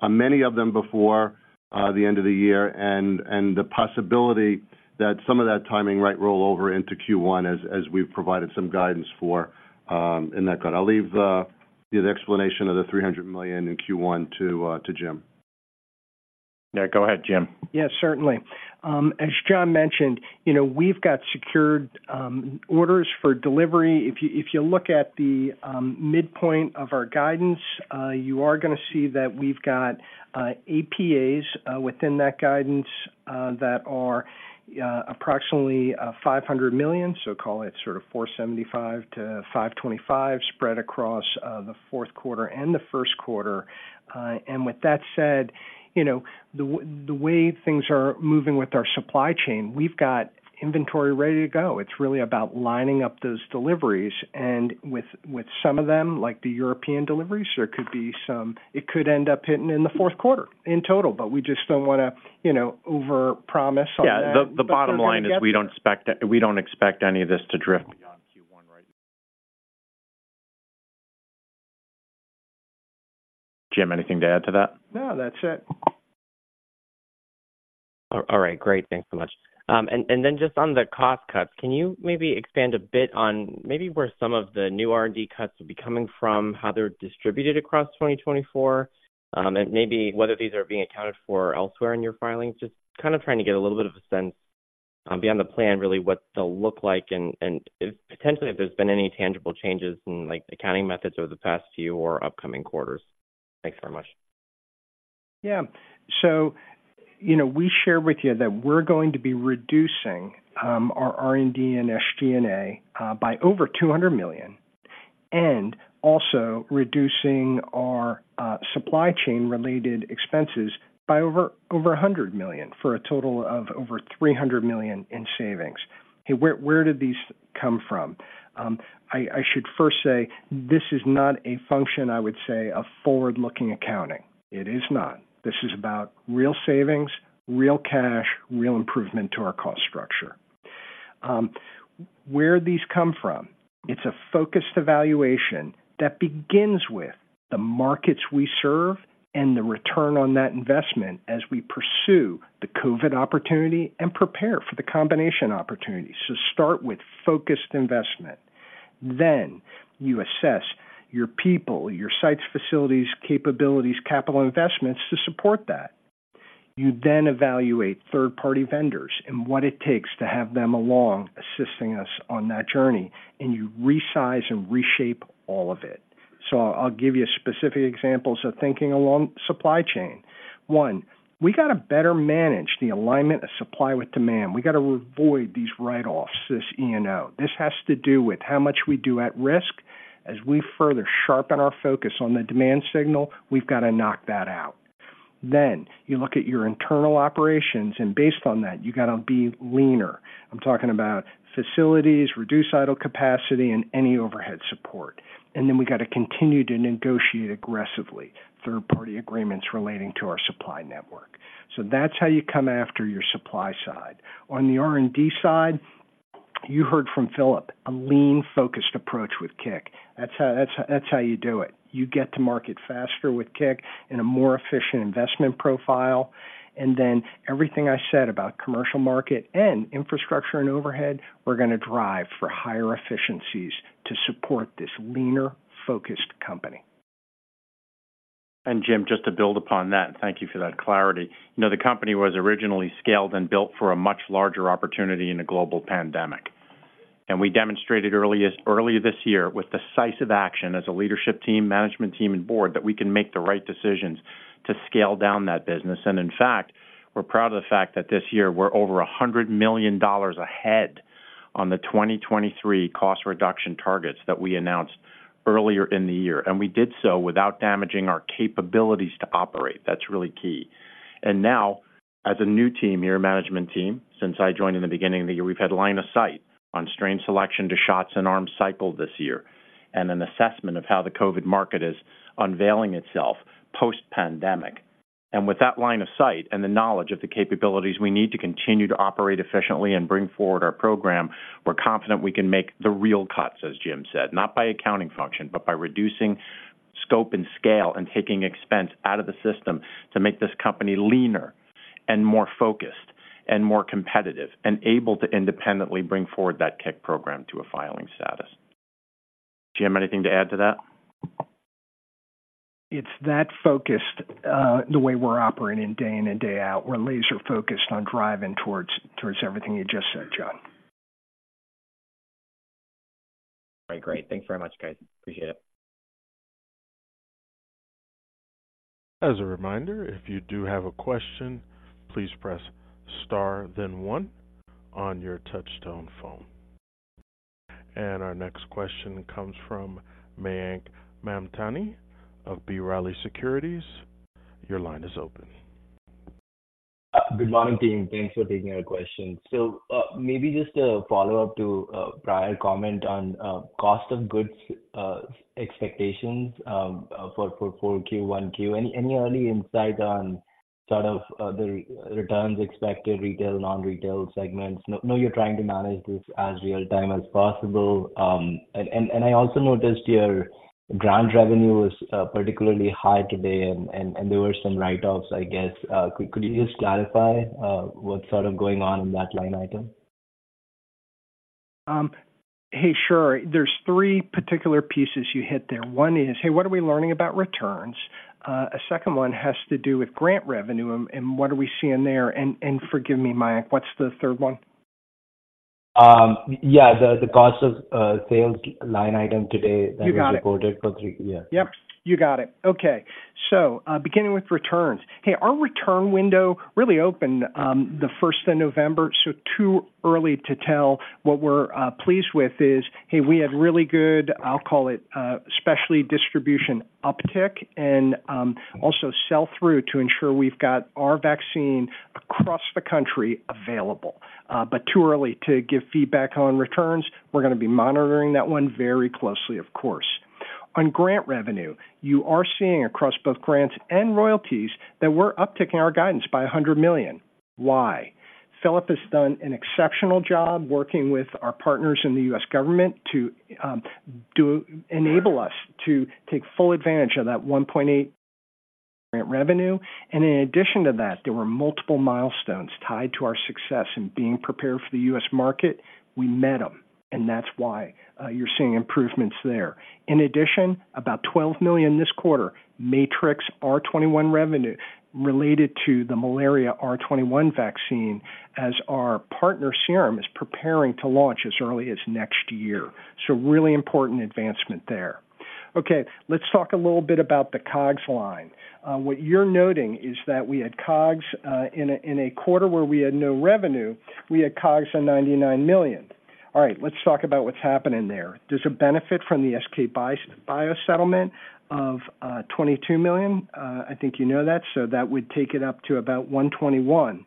many of them before the end of the year, and the possibility that some of that timing might roll over into Q1 as we've provided some guidance for in that guide. I'll leave the explanation of the $300 million in Q1 to Jim. Yeah, go ahead, Jim. Yes, certainly. As John mentioned, you know, we've got secured orders for delivery. If you look at the midpoint of our guidance, you are gonna see that we've got APAs within that guidance that are approximately $500 million, so call it sort of $475 million-$525 million, spread across the fourth quarter and the first quarter. And with that said, you know, the way things are moving with our supply chain, we've got inventory ready to go. It's really about lining up those deliveries. And with some of them, like the European deliveries, there could be some. It could end up hitting in the fourth quarter in total, but we just don't wanna, you know, over-promise on that. Yeah, the bottom line is we don't expect any of this to drift. Q1, right? Jim, anything to add to that? No, that's it. All right, great. Thanks so much. And then just on the cost cuts, can you maybe expand a bit on maybe where some of the new R&D cuts will be coming from, how they're distributed across 2024, and maybe whether these are being accounted for elsewhere in your filings? Just kind of trying to get a little bit of a sense, beyond the plan, really, what they'll look like and potentially, if there's been any tangible changes in, like, accounting methods over the past few or upcoming quarters. Thanks very much. Yeah. So, you know, we share with you that we're going to be reducing our R&D and SG&A by over $200 million, and also reducing our supply chain-related expenses by over $100 million, for a total of over $300 million in savings. Where did these come from? I should first say this is not a function, I would say, of forward-looking accounting. It is not. This is about real savings, real cash, real improvement to our cost structure. Where did these come from? It's a focused evaluation that begins with the markets we serve and the return on that investment as we pursue the COVID opportunity and prepare for the combination opportunity. So start with focused investment. Then you assess your people, your sites, facilities, capabilities, capital investments to support that. You then evaluate third-party vendors and what it takes to have them along, assisting us on that journey, and you resize and reshape all of it. So I'll give you specific examples of thinking along supply chain. One, we got to better manage the alignment of supply with demand. We got to avoid these write-offs, this E&O. This has to do with how much we do at risk. As we further sharpen our focus on the demand signal, we've got to knock that out. Then you look at your internal operations, and based on that, you got to be leaner. I'm talking about facilities, reduced idle capacity, and any overhead support. And then we got to continue to negotiate aggressively third-party agreements relating to our supply network. So that's how you come after your supply side. On the R&D side... You heard from Filip, a lean, focused approach with Kick. That's how you do it. You get to market faster with Kick in a more efficient investment profile, and then everything I said about commercial market and infrastructure and overhead, we're going to drive for higher efficiencies to support this leaner, focused company. And Jim, just to build upon that, thank you for that clarity. You know, the company was originally scaled and built for a much larger opportunity in a global pandemic, and we demonstrated earlier this year with decisive action as a leadership team, management team, and board, that we can make the right decisions to scale down that business. And in fact, we're proud of the fact that this year we're over $100 million ahead on the 2023 cost reduction targets that we announced earlier in the year, and we did so without damaging our capabilities to operate. That's really key. And now, as a new team here, management team, since I joined in the beginning of the year, we've had line of sight on strain selection to shots and arms cycle this year, and an assessment of how the COVID market is unveiling itself post-pandemic. With that line of sight and the knowledge of the capabilities we need to continue to operate efficiently and bring forward our program, we're confident we can make the real cuts, as Jim said, not by accounting function, but by reducing scope and scale and taking expense out of the system to make this company leaner and more focused and more competitive and able to independently bring forward that Kick program to a filing status. Jim, anything to add to that? It's that focused, the way we're operating day in and day out. We're laser-focused on driving towards everything you just said, John. Great. Great. Thanks very much, guys. Appreciate it. As a reminder, if you do have a question, please press Star, then one on your touchtone phone. Our next question comes from Mayank Mamtani of B. Riley Securities. Your line is open. Good morning, team. Thanks for taking our question. So, maybe just a follow-up to a prior comment on cost of goods expectations for 4Q, 1Q. Any early insight on sort of the returns expected, retail, non-retail segments? You know you're trying to manage this as real-time as possible. I also noticed your grant revenue was particularly high today, and there were some write-offs, I guess. Could you just clarify what's sort of going on in that line item? Hey, sure. There's three particular pieces you hit there. One is, hey, what are we learning about returns? A second one has to do with grant revenue and what are we seeing there? And forgive me, Mayank, what's the third one? Yeah, the cost of sales line item today- You got it. That was reported for three... Yeah. Yep, you got it. Okay. So, beginning with returns. Hey, our return window really opened the first of November, so too early to tell. What we're pleased with is, hey, we had really good, I'll call it, specialty distribution uptick and also sell through to ensure we've got our vaccine across the country available. But too early to give feedback on returns. We're going to be monitoring that one very closely, of course. On grant revenue, you are seeing across both grants and royalties, that we're upticking our guidance by $100 million. Why? Filip has done an exceptional job working with our partners in the U.S. government to enable us to take full advantage of that $1.8 billion grant revenue. And in addition to that, there were multiple milestones tied to our success in being prepared for the U.S. market. We met them, and that's why you're seeing improvements there. In addition, about $12 million this quarter, Matrix-M R21 revenue related to the malaria R vaccine, as our partner, Serum, is preparing to launch as early as next year. So really important advancement there. Okay, let's talk a little bit about the COGS line. What you're noting is that we had COGS in a quarter where we had no revenue, we had COGS of $99 million. All right, let's talk about what's happening there. There's a benefit from the SK Bioscience settlement of $22 million. I think you know that, so that would take it up to about $121 million.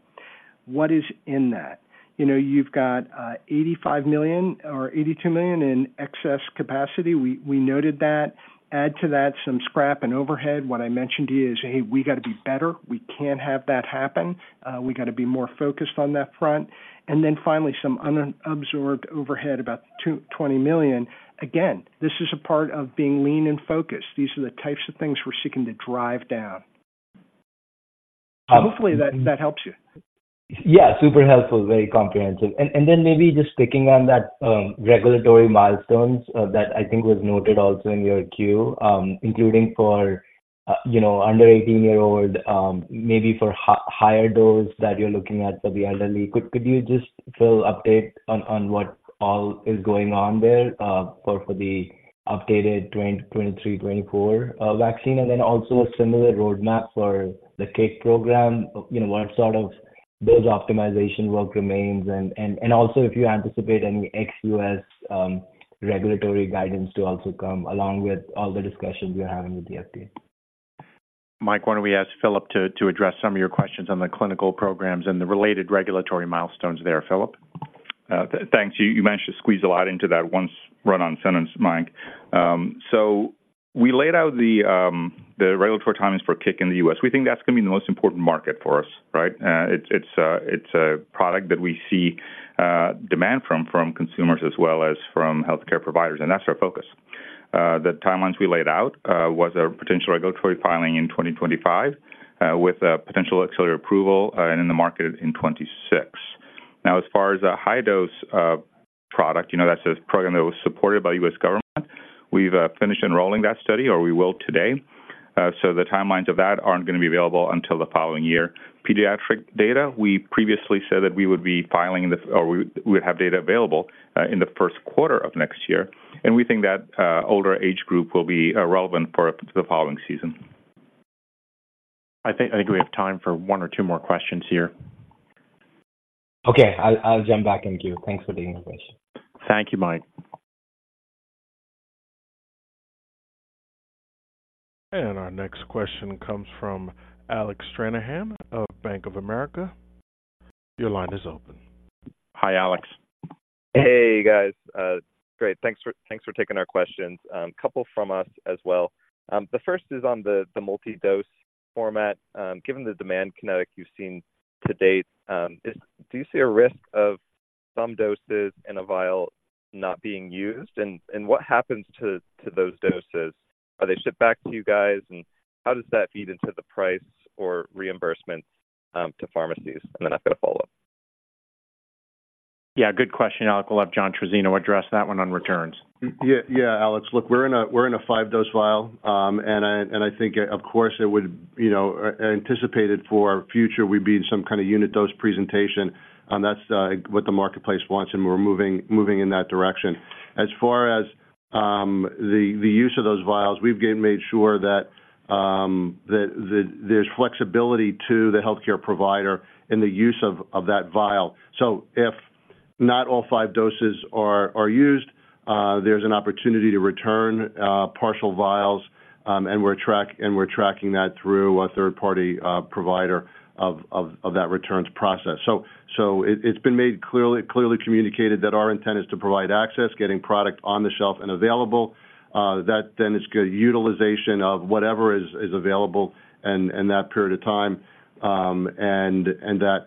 What is in that? You know, you've got $85 million or $82 million in excess capacity. We noted that. Add to that some scrap and overhead. What I mentioned to you is, hey, we got to be better. We can't have that happen. We got to be more focused on that front. And then finally, some unabsorbed overhead, about $20 million. Again, this is a part of being lean and focused. These are the types of things we're seeking to drive down. Um- Hopefully, that helps you. Yeah, super helpful, very comprehensive. Then maybe just clicking on that, regulatory milestones, that I think was noted also in your Q, including for, you know, under 18-year-old, maybe for higher dose that you're looking at for the elderly. Could you just fill update on what all is going on there for the updated 2023-2024 vaccine? And then also a similar roadmap for the combo program, you know, what sort of those optimization work remains, and also if you anticipate any ex-U.S. regulatory guidance to also come along with all the discussions we are having with the FDA. Mayank, why don't we ask Filip to address some of your questions on the clinical programs and the related regulatory milestones there, Filip? Thanks. You, you managed to squeeze a lot into that once run-on sentence, Mayank. We laid out the regulatory timings for a CIC in the U.S. We think that's going to be the most important market for us, right? It's a product that we see demand from consumers as well as from healthcare providers, and that's our focus. The timelines we laid out was a potential regulatory filing in 2025 with a potential auxiliary approval, and in the market in 2026. Now, as far as the high dose of product, you know, that's a program that was supported by U.S. government. We've finished enrolling that study or we will today. So the timelines of that aren't going to be available until the following year. Pediatric data, we previously said that we would be filing this, or we, we'd have data available, in the first quarter of next year, and we think that, older age group will be relevant for the following season. I think, I think we have time for one or two more questions here. Okay. I'll jump back in queue. Thanks for the information. Thank you, Mayank. Our next question comes from Alec Stranahan of Bank of America. Your line is open. Hi, Alec. Hey, guys. Great. Thanks for taking our questions. A couple from us as well. The first is on the multi-dose format. Given the demand kinetic you've seen to date, do you see a risk of some doses in a vial not being used? And what happens to those doses? Are they shipped back to you guys, and how does that feed into the price or reimbursement to pharmacies? And then I've got a follow-up. Yeah, good question, Alec. We'll have John Trizzino address that one on returns. Yeah. Yeah, Alec, look, we're in a 5-dose vial. And I think, of course, it would, you know, anticipated for our future would be in some kind of unit dose presentation, and that's what the marketplace wants, and we're moving in that direction. As far as the use of those vials, we've again made sure that there's flexibility to the healthcare provider in the use of that vial. So if not all 5 doses are used, there's an opportunity to return partial vials, and we're tracking that through a third-party provider of that returns process. So it’s been made clearly communicated that our intent is to provide access, getting product on the shelf and available. That then is good utilization of whatever is available in that period of time, and that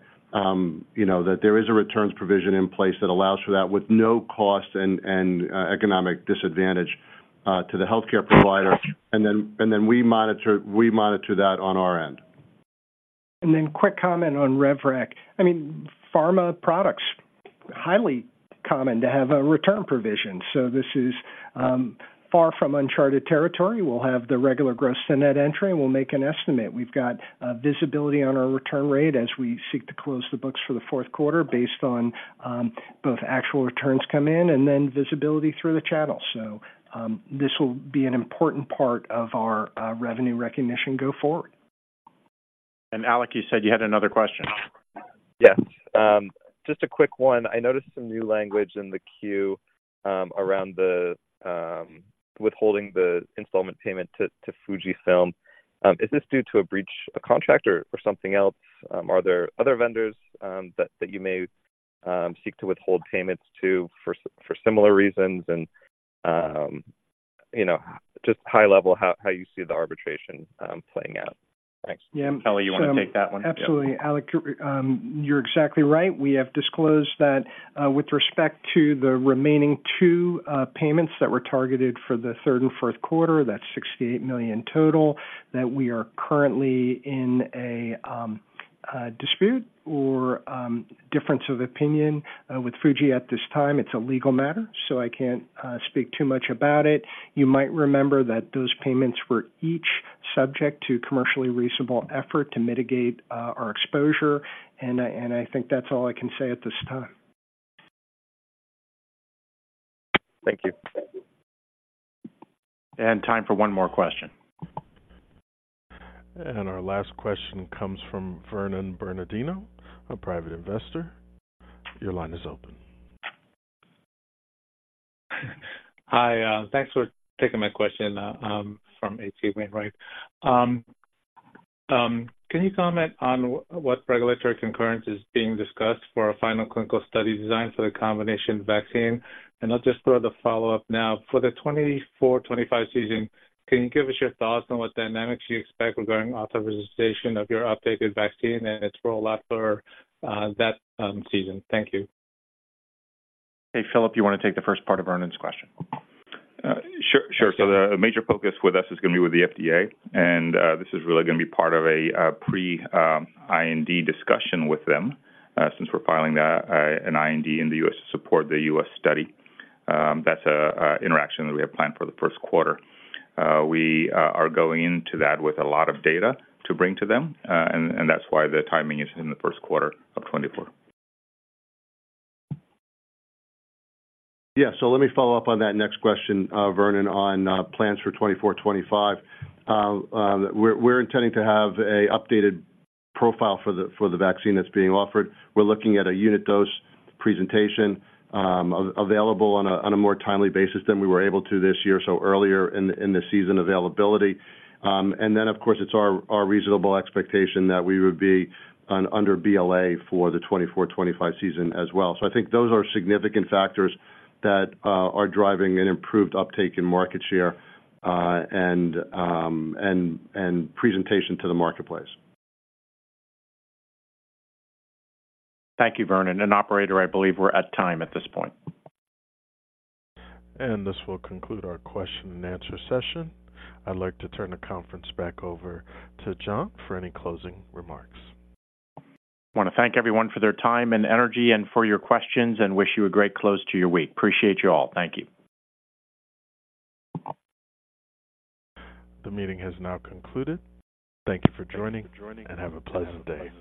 you know that there is a returns provision in place that allows for that with no cost and economic disadvantage to the healthcare provider. Then we monitor that on our end. Quick comment on rev rec. I mean, pharma products, highly common to have a return provision, so this is far from uncharted territory. We'll have the regular gross to net entry, and we'll make an estimate. We've got visibility on our return rate as we seek to close the books for the fourth quarter, based on both actual returns come in and then visibility through the channel. So, this will be an important part of our revenue recognition go forward. Alec, you said you had another question? Yes. Just a quick one. I noticed some new language in the 10-Q, around the withholding the installment payment to Fujifilm. Is this due to a breach of contract or something else? Are there other vendors that you may seek to withhold payments to for similar reasons? And, you know, just high level, how you see the arbitration playing out. Thanks. Yeah. Kelly, you want to take that one? Absolutely, Alec, you're exactly right. We have disclosed that, with respect to the remaining two, payments that were targeted for the third and fourth quarter, that's $68 million total, that we are currently in a, dispute or, difference of opinion, with Fuji at this time. It's a legal matter, so I can't, speak too much about it. You might remember that those payments were each subject to commercially reasonable effort to mitigate, our exposure, and I, and I think that's all I can say at this time. Thank you. Time for one more question. Our last question comes from Vernon Bernardino, a private investor. Your line is open. Hi, thanks for taking my question from H.C. Wainwright. Can you comment on what regulatory concurrence is being discussed for a final clinical study design for the combination vaccine? And I'll just throw the follow-up now: For the 2024-2025 season, can you give us your thoughts on what dynamics you expect regarding authorization of your updated vaccine and its role after that season? Thank you. Hey, Filip, you want to take the first part of Vernon's question? Sure. Sure. So the major focus with us is going to be with the FDA, and this is really going to be part of a pre-IND discussion with them, since we're filing an IND in the U.S. to support the U.S. study. That's an interaction that we have planned for the first quarter. We are going into that with a lot of data to bring to them, and that's why the timing is in the first quarter of 2024. Yeah. So let me follow up on that next question, Vernon, on plans for 2024, 2025. We're intending to have a updated profile for the vaccine that's being offered. We're looking at a unit dose presentation, available on a more timely basis than we were able to this year, so earlier in the season availability. And then, of course, it's our reasonable expectation that we would be under BLA for the 2024-2025 season as well. So I think those are significant factors that are driving an improved uptake in market share, and presentation to the marketplace. Thank you, Vernon. Operator, I believe we're at time at this point. This will conclude our question and answer session. I'd like to turn the conference back over to John for any closing remarks. I want to thank everyone for their time and energy and for your questions, and wish you a great close to your week. Appreciate you all. Thank you. The meeting has now concluded. Thank you for joining, and have a pleasant day.